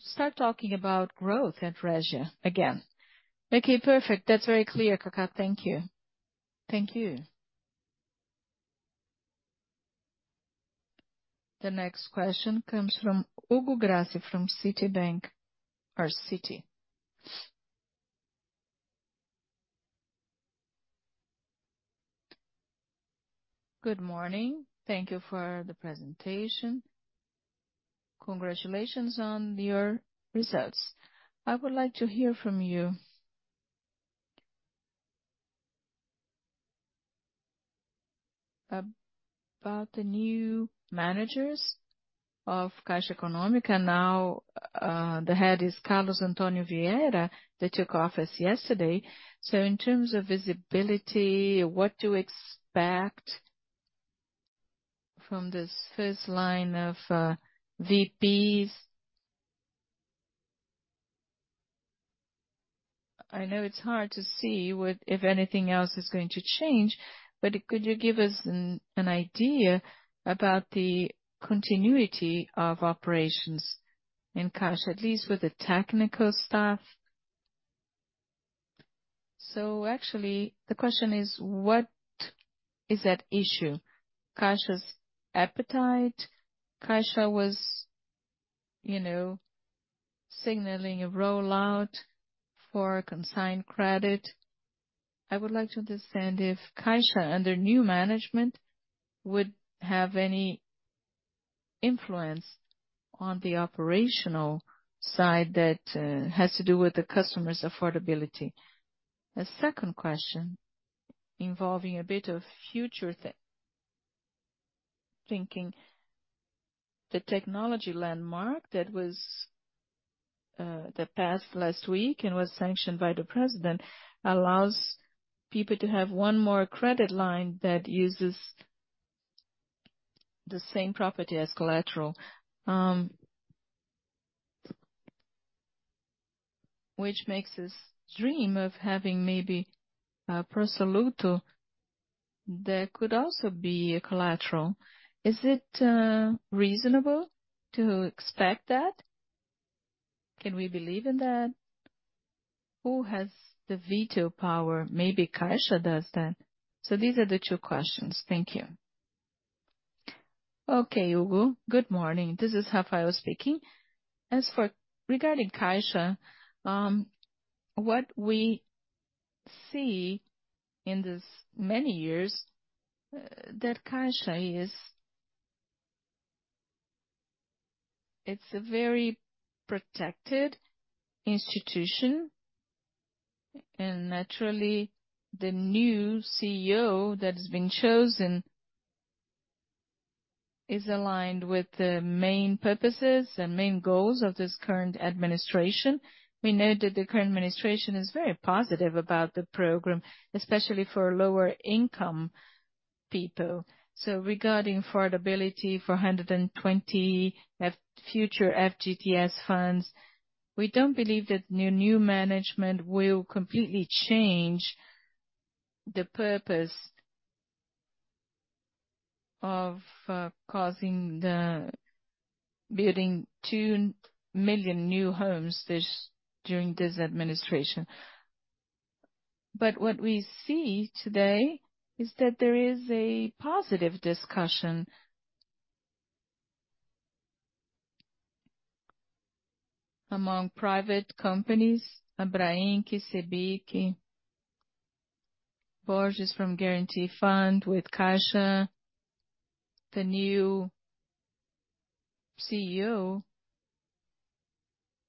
start talking about growth at Resia again. Okay, perfect. That's very clear, Cac`a. Thank you. Thank you. The next question comes from Hugo Grassi from Citi. Good morning. Thank you for the presentation. Congratulations on your results. I would like to hear from you about the new managers of Caixa Econômica. Now, the head is Carlos Antônio Vieira. They took office yesterday. So in terms of visibility, what to expect from this first line of VPs? I know it's hard to see what if anything else is going to change, but could you give us an idea about the continuity of operations in Caixa, at least with the technical staff? So actually, the question is, what is at issue? Caixa's appetite. Caixa was, you know, signaling a rollout for consigned credit. I would like to understand if Caixa, under new management, would have any influence on the operational side that has to do with the customer's affordability. A second question, involving a bit of future thinking. The technology landmark that was that passed last week and was sanctioned by the president allows people to have one more credit line that uses the same property as collateral, which makes us dream of having maybe Pro Soluto that could also be a collateral. Is it reasonable to expect that? Can we believe in that? Who has the veto power? Maybe Caixa does that. So these are the two questions. Thank you. Okay, Hugo, good morning. This is Rafael speaking. As for regarding Caixa, what we see in this many years, that Caixa is... It's a very protected institution, and naturally, the new CEO that has been chosen is aligned with the main purposes and main goals of this current administration. We know that the current administration is very positive about the program, especially for lower income people. So regarding affordability, 420 future FGTS funds, we don't believe that new management will completely change the purpose of building 2 million new homes during this administration. But what we see today is that there is a positive discussion among private companies, Abrainc, CBIC, Board from Guarantee Fund with Caixa. The new CEO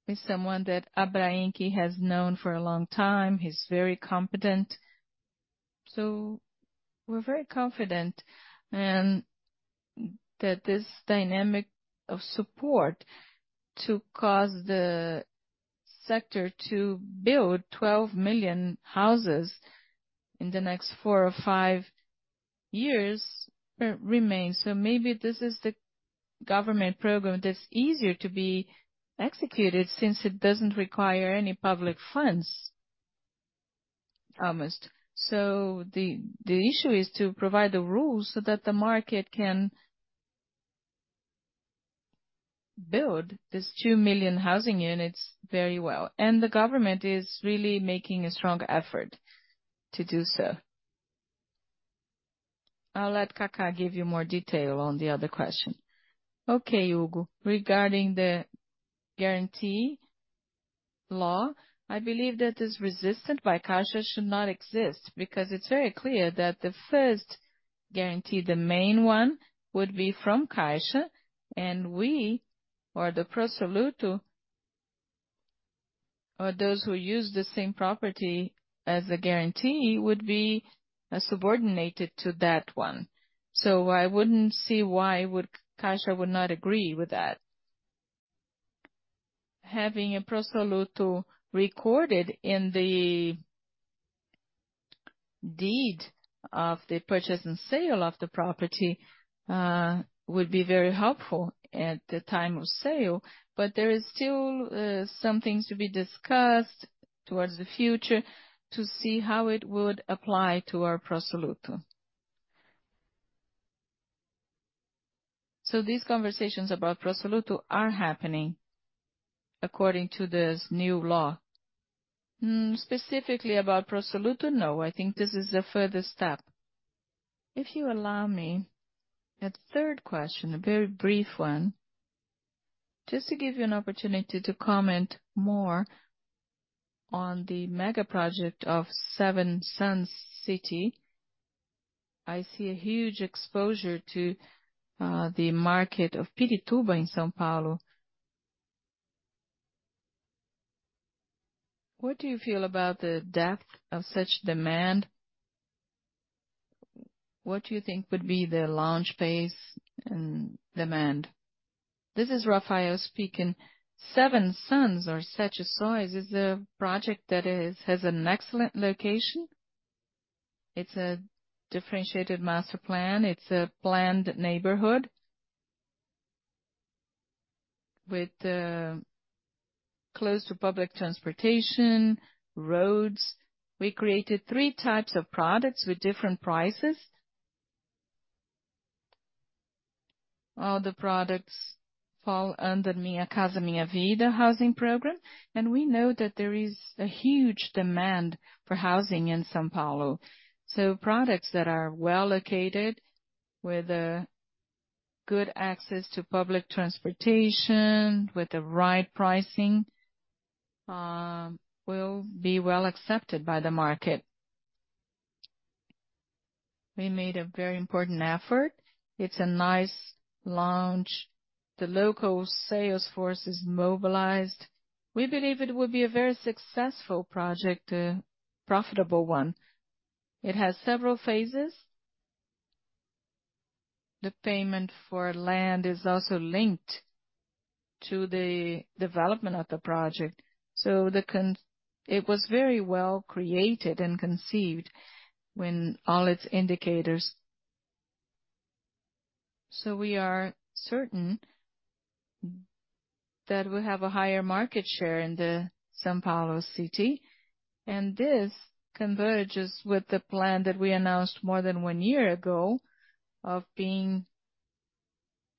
is someone that Abrainc has known for a long time. He's very competent. So we're very confident, and that this dynamic of support to cause the sector to build 12 million houses in the next 4 or 5 years remains. So maybe this is the government program that's easier to be executed since it doesn't require any public funds, almost. So the issue is to provide the rules so that the market can-... Build these 2 million housing units very well, and the government is really making a strong effort to do so. I'll let Kaká give you more detail on the other question. Okay, Hugo, regarding the guarantee law, I believe that this resistance by Caixa should not exist, because it's very clear that the first guarantee, the main one, would be from Caixa, and we or the Pro Soluto, or those who use the same property as the guarantee, would be subordinated to that one. So I wouldn't see why Caixa would not agree with that. Having a Pro Soluto recorded in the deed of the purchase and sale of the property would be very helpful at the time of sale, but there is still some things to be discussed towards the future to see how it would apply to our Pro Soluto. So these conversations about Pro Soluto are happening according to this new law? Mm, specifically about Pro Soluto, no, I think this is the further step. If you allow me, a third question, a very brief one, just to give you an opportunity to comment more on the mega project of Seven Suns City. I see a huge exposure to the market of Pirituba in São Paulo. What do you feel about the depth of such demand? What do you think would be the launch phase and demand? This is Rafael speaking. Seven Suns or Sete Sóis is a project that is, has an excellent location. It's a differentiated master plan. It's a planned neighborhood with close to public transportation, roads. We created three types of products with different prices. All the products fall under Minha Casa, Minha Vida housing program, and we know that there is a huge demand for housing in São Paulo. So products that are well-located, with a good access to public transportation, with the right pricing, will be well accepted by the market. We made a very important effort. It's a nice launch. The local sales force is mobilized. We believe it will be a very successful project, a profitable one. It has several phases. The payment for land is also linked to the development of the project, so it was very well created and conceived when all its indicators... So we are certain that we'll have a higher market share in the São Paulo City, and this converges with the plan that we announced more than 1 year ago of being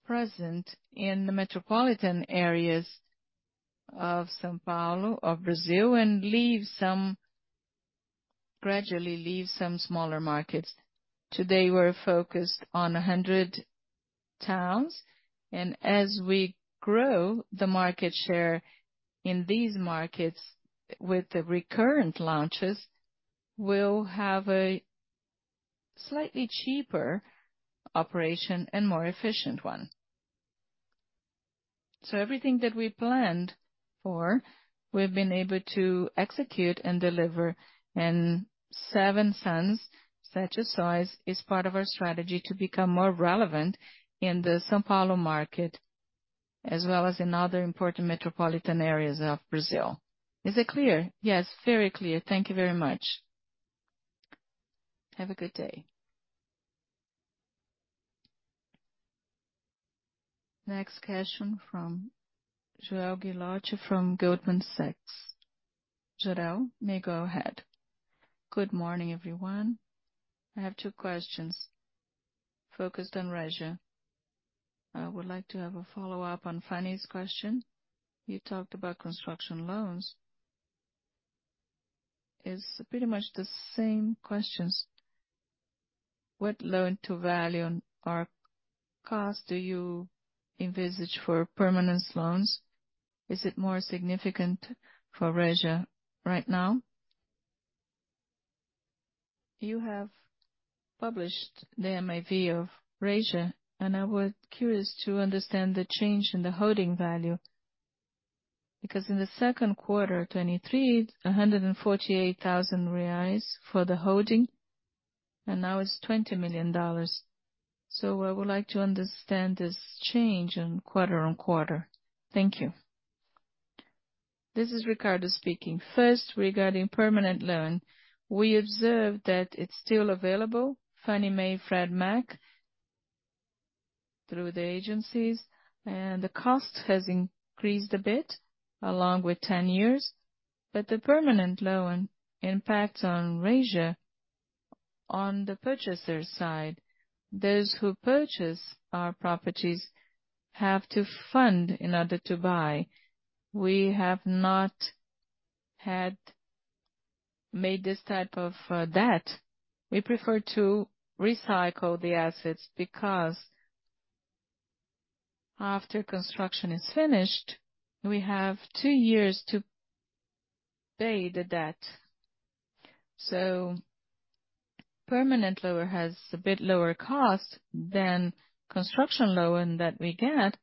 present in the metropolitan areas of São Paulo, of Brazil, and leave some, gradually leave some smaller markets. Today, we're focused on 100 towns, and as we grow the market share in these markets with the recurrent launches, we'll have a slightly cheaper operation and more efficient one. So everything that we planned for, we've been able to execute and deliver, and Seven Suns, Sete Sóis, is part of our strategy to become more relevant in the São Paulo market, as well as in other important metropolitan areas of Brazil. Is it clear? Yes, very clear. Thank you very much. Have a good day. Next question from Jorel Guilloty from Goldman Sachs. Jorel, you may go ahead. Good morning, everyone. I have two questions focused on Resia. I would like to have a follow-up on Fani's question. You talked about construction loans. It's pretty much the same questions: What loan to value on loan to cost do you envisage for permanent loans? Is it more significant for Resia right now? You have published the NAV of Resia, and I was curious to understand the change in the holding value, because in the second quarter 2023, 148,000 reais for the holding, and now it's $20 million. So I would like to understand this change in quarter-on-quarter. Thank you. This is Ricardo speaking. First, regarding permanent loan, we observed that it's still available, Fannie Mae and Freddie Mac, through the agencies, and the cost has increased a bit, along with 10 years. But the permanent loan impact on Resia. On the purchaser side, those who purchase our properties have to fund in order to buy. We have not had made this type of debt. We prefer to recycle the assets, because after construction is finished, we have two years to pay the debt. So permanent loan has a bit lower cost than construction loan that we get,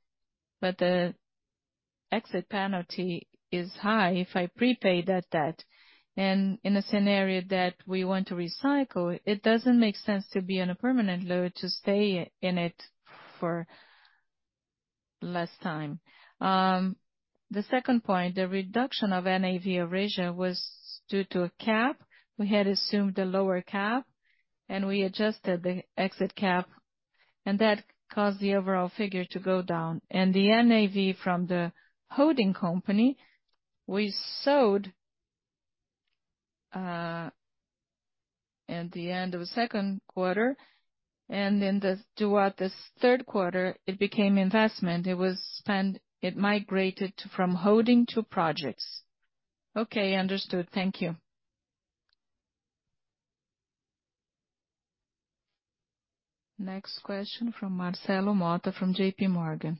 but the exit penalty is high if I prepay that debt. In a scenario that we want to recycle, it doesn't make sense to be on a permanent loan to stay in it for less time. The second point, the reduction of NAV erosion was due to a cap. We had assumed a lower cap, and we adjusted the exit cap, and that caused the overall figure to go down. The NAV from the holding company, we sold at the end of the second quarter, and then throughout this third quarter, it became investment. It was spent. It migrated from holding to projects. Okay, understood. Thank you. Next question from Marcelo Motta from J.P. Morgan.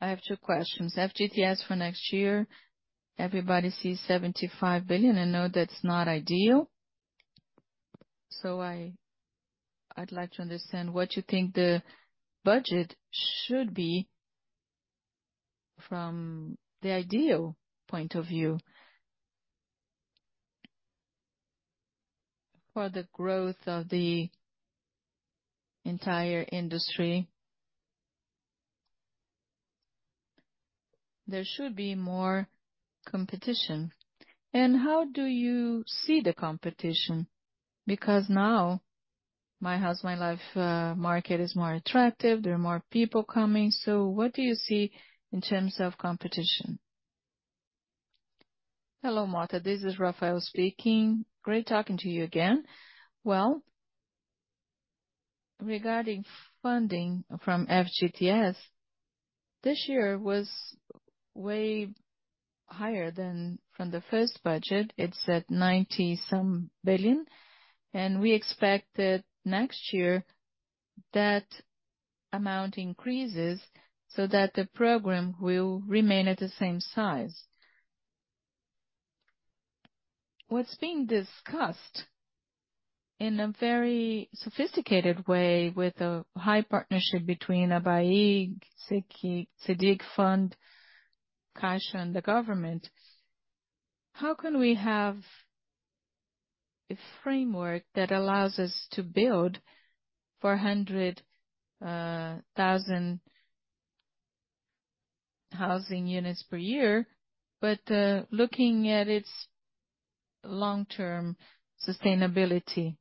I have two questions. FGTS for next year, everybody sees 75 billion. I know that's not ideal, so I'd like to understand what you think the budget should be from the ideal point of view? For the growth of the entire industry, there should be more competition. And how do you see the competition? Because now, My House, My Life market is more attractive. There are more people coming. So what do you see in terms of competition? Hello, Mota, this is Rafael speaking. Great talking to you again. Well, regarding funding from FGTS, this year was way higher than from the first budget. It's at 90-some billion, and we expect that next year, that amount increases so that the program will remain at the same size. What's being discussed in a very sophisticated way, with a high partnership between ABRAINC, CBIC Fund, Caixa and the government: How can we have a framework that allows us to build 400,000 housing units per year, but looking at its long-term sustainability?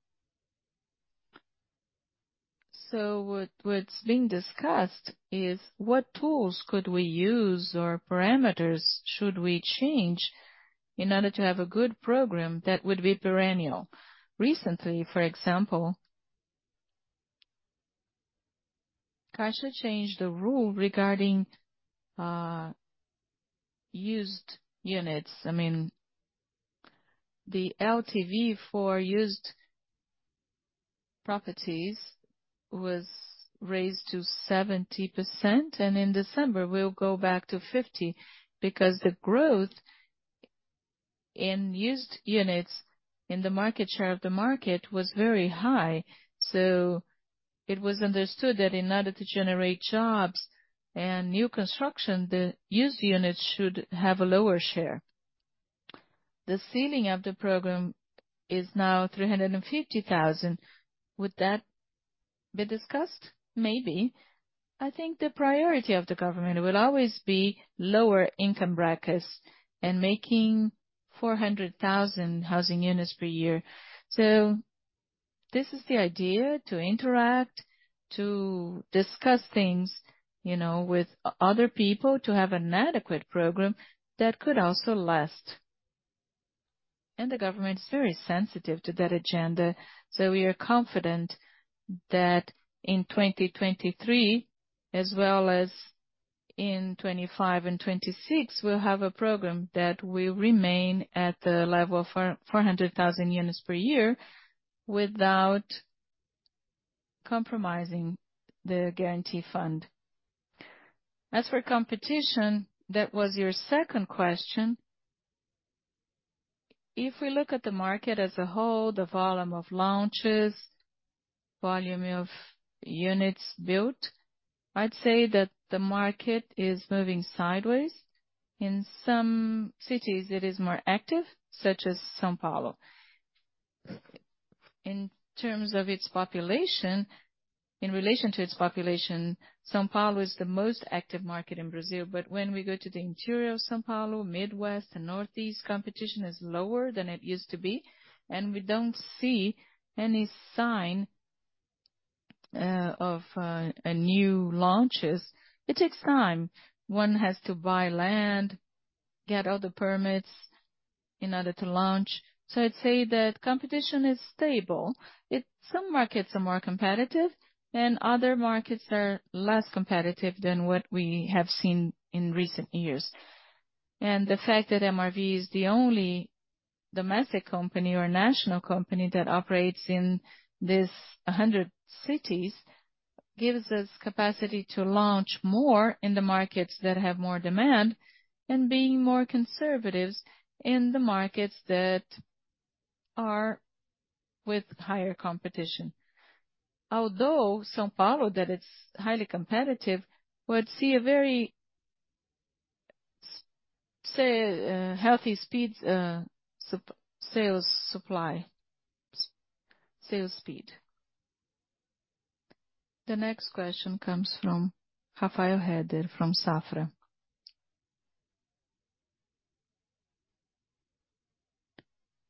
So what, what's being discussed is what tools could we use or parameters should we change in order to have a good program that would be perennial? Recently, for example, Caixa changed the rule regarding used units. I mean, the LTV for used properties was raised to 70%, and in December, we'll go back to 50%, because the growth in used units in the market share of the market was very high. So it was understood that in order to generate jobs and new construction, the used units should have a lower share. The ceiling of the program is now 350,000. Would that be discussed? Maybe. I think the priority of the government will always be lower income brackets and making 400,000 housing units per year. So this is the idea, to interact, to discuss things, you know, with other people, to have an adequate program that could also last. The government is very sensitive to that agenda, so we are confident that in 2023, as well as in 2025 and 2026, we'll have a program that will remain at the level of 440,000 units per year without compromising the guarantee fund. As for competition, that was your second question. If we look at the market as a whole, the volume of launches, volume of units built, I'd say that the market is moving sideways. In some cities, it is more active, such as São Paulo. In terms of its population, in relation to its population, São Paulo is the most active market in Brazil. But when we go to the interior of São Paulo, Midwest and Northeast, competition is lower than it used to be, and we don't see any sign of new launches. It takes time. One has to buy land, get all the permits in order to launch. So I'd say that competition is stable. Some markets are more competitive and other markets are less competitive than what we have seen in recent years. And the fact that MRV is the only domestic company or national company that operates in 100 cities gives us capacity to launch more in the markets that have more demand, and being more conservatives in the markets that are with higher competition. Although São Paulo, that it's highly competitive, would see a very, say, healthy speeds, sales supply, sales speed. The next question comes from Rafael Heller from Safra.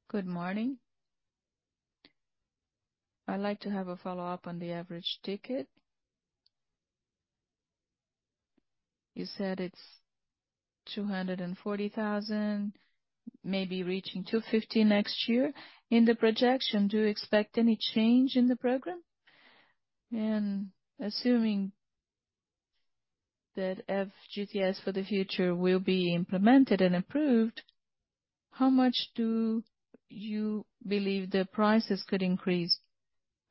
Good morning. I'd like to have a follow-up on the average ticket. You said it's 240,000, maybe reaching 250,000 next year. In the projection, do you expect any change in the program? And assuming that FGTS for the future will be implemented and approved, how much do you believe the prices could increase?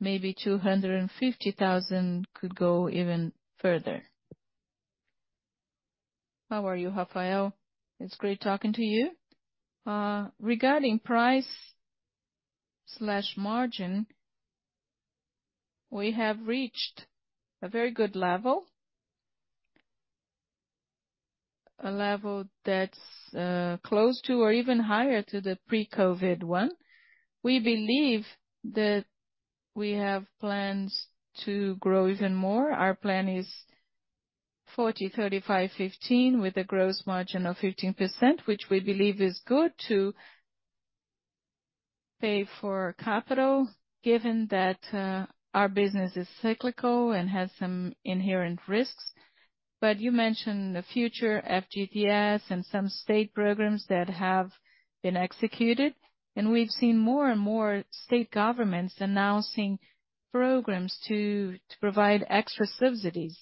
Maybe 250,000 could go even further. How are you, Rafael? It's great talking to you. Regarding price/margin, we have reached a very good level. A level that's close to or even higher to the pre-COVID one. We believe that we have plans to grow even more. Our plan is 40, 35, 15, with a gross margin of 15%, which we believe is good to pay for capital, given that our business is cyclical and has some inherent risks. But you mentioned the future FGTS and some state programs that have been executed, and we've seen more and more state governments announcing programs to provide extra subsidies.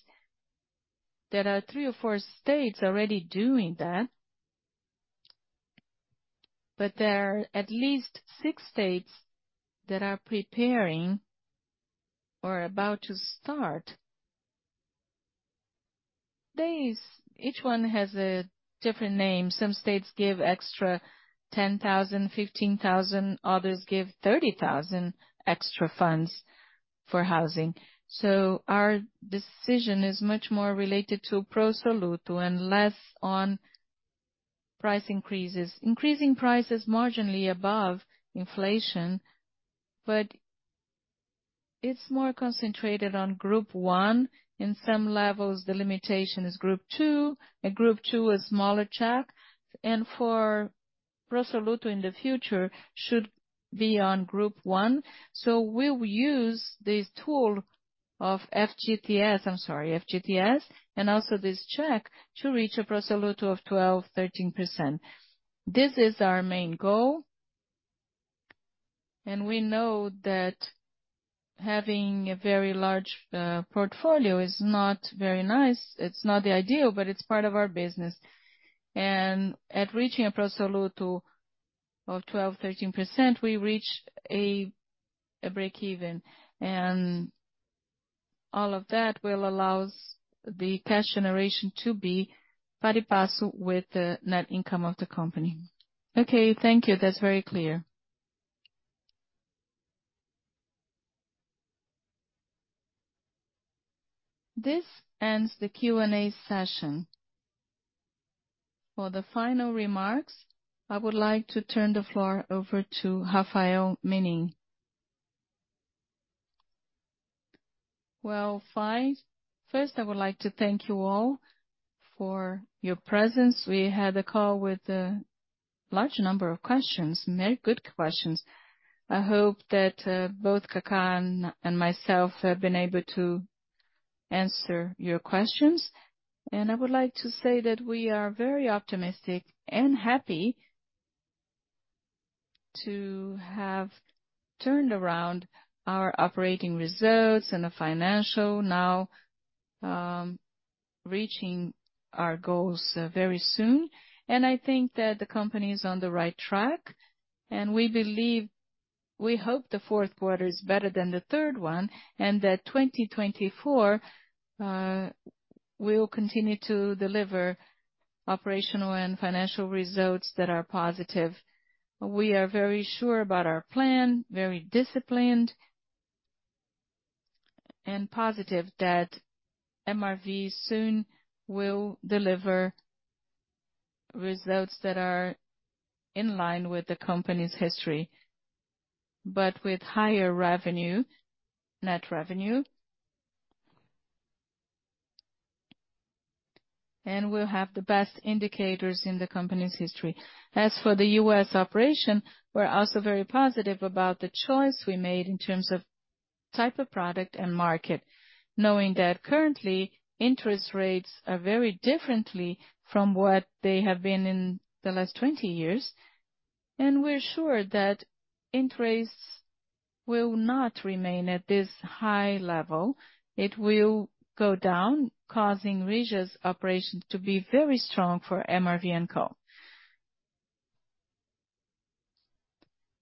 There are 3 or 4 states already doing that, but there are at least 6 states that are preparing or about to start. These—each one has a different name. Some states give extra 10,000, 15,000, others give 30,000 extra funds for housing. So our decision is much more related to Pro Soluto and less on price increases. Increasing price is marginally above inflation, but it's more concentrated on group one. In some levels, the limitation is group two, and group two, a smaller check. And for Pro Soluto in the future, should be on group one. So we'll use this tool of FGTS—I'm sorry, FGTS, and also this check to reach a Pro Soluto of 12%-13%. This is our main goal, and we know that having a very large portfolio is not very nice. It's not the ideal, but it's part of our business. At reaching a Pro Soluto of 12%-13%, we reach a breakeven. And all of that will allow us the cash generation to be pari passu with the net income of the company. Okay, thank you. That's very clear. This ends the Q&A session. For the final remarks, I would like to turn the floor over to Rafael Menin. Well, fine. First, I would like to thank you all for your presence. We had a call with a large number of questions, very good questions. I hope that both Rafael and myself have been able to answer your questions. And I would like to say that we are very optimistic and happy to have turned around our operating results and the financial now, reaching our goals very soon. I think that the company is on the right track, and we believe, we hope the fourth quarter is better than the third one, and that 2024, we will continue to deliver operational and financial results that are positive. We are very sure about our plan, very disciplined, and positive that MRV soon will deliver results that are in line with the company's history, but with higher revenue, net revenue. And we'll have the best indicators in the company's history. As for the US operation, we're also very positive about the choice we made in terms of type of product and market, knowing that currently, interest rates are very differently from what they have been in the last 20 years, and we're sure that interest will not remain at this high level. It will go down, causing Resia operations to be very strong for MRV&Co.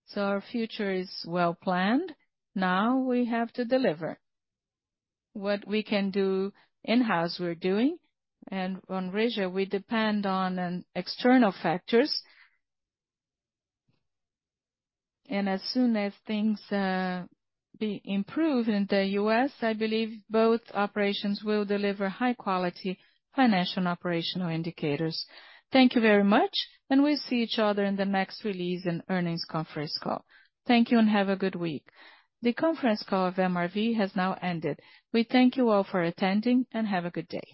So our future is well planned. Now we have to deliver. What we can do in-house, we're doing, and on Resia, we depend on external factors. And as soon as things be improved in the US, I believe both operations will deliver high quality financial and operational indicators. Thank you very much, and we'll see each other in the next release and earnings conference call. Thank you and have a good week. The conference call of MRV has now ended. We thank you all for attending, and have a good day.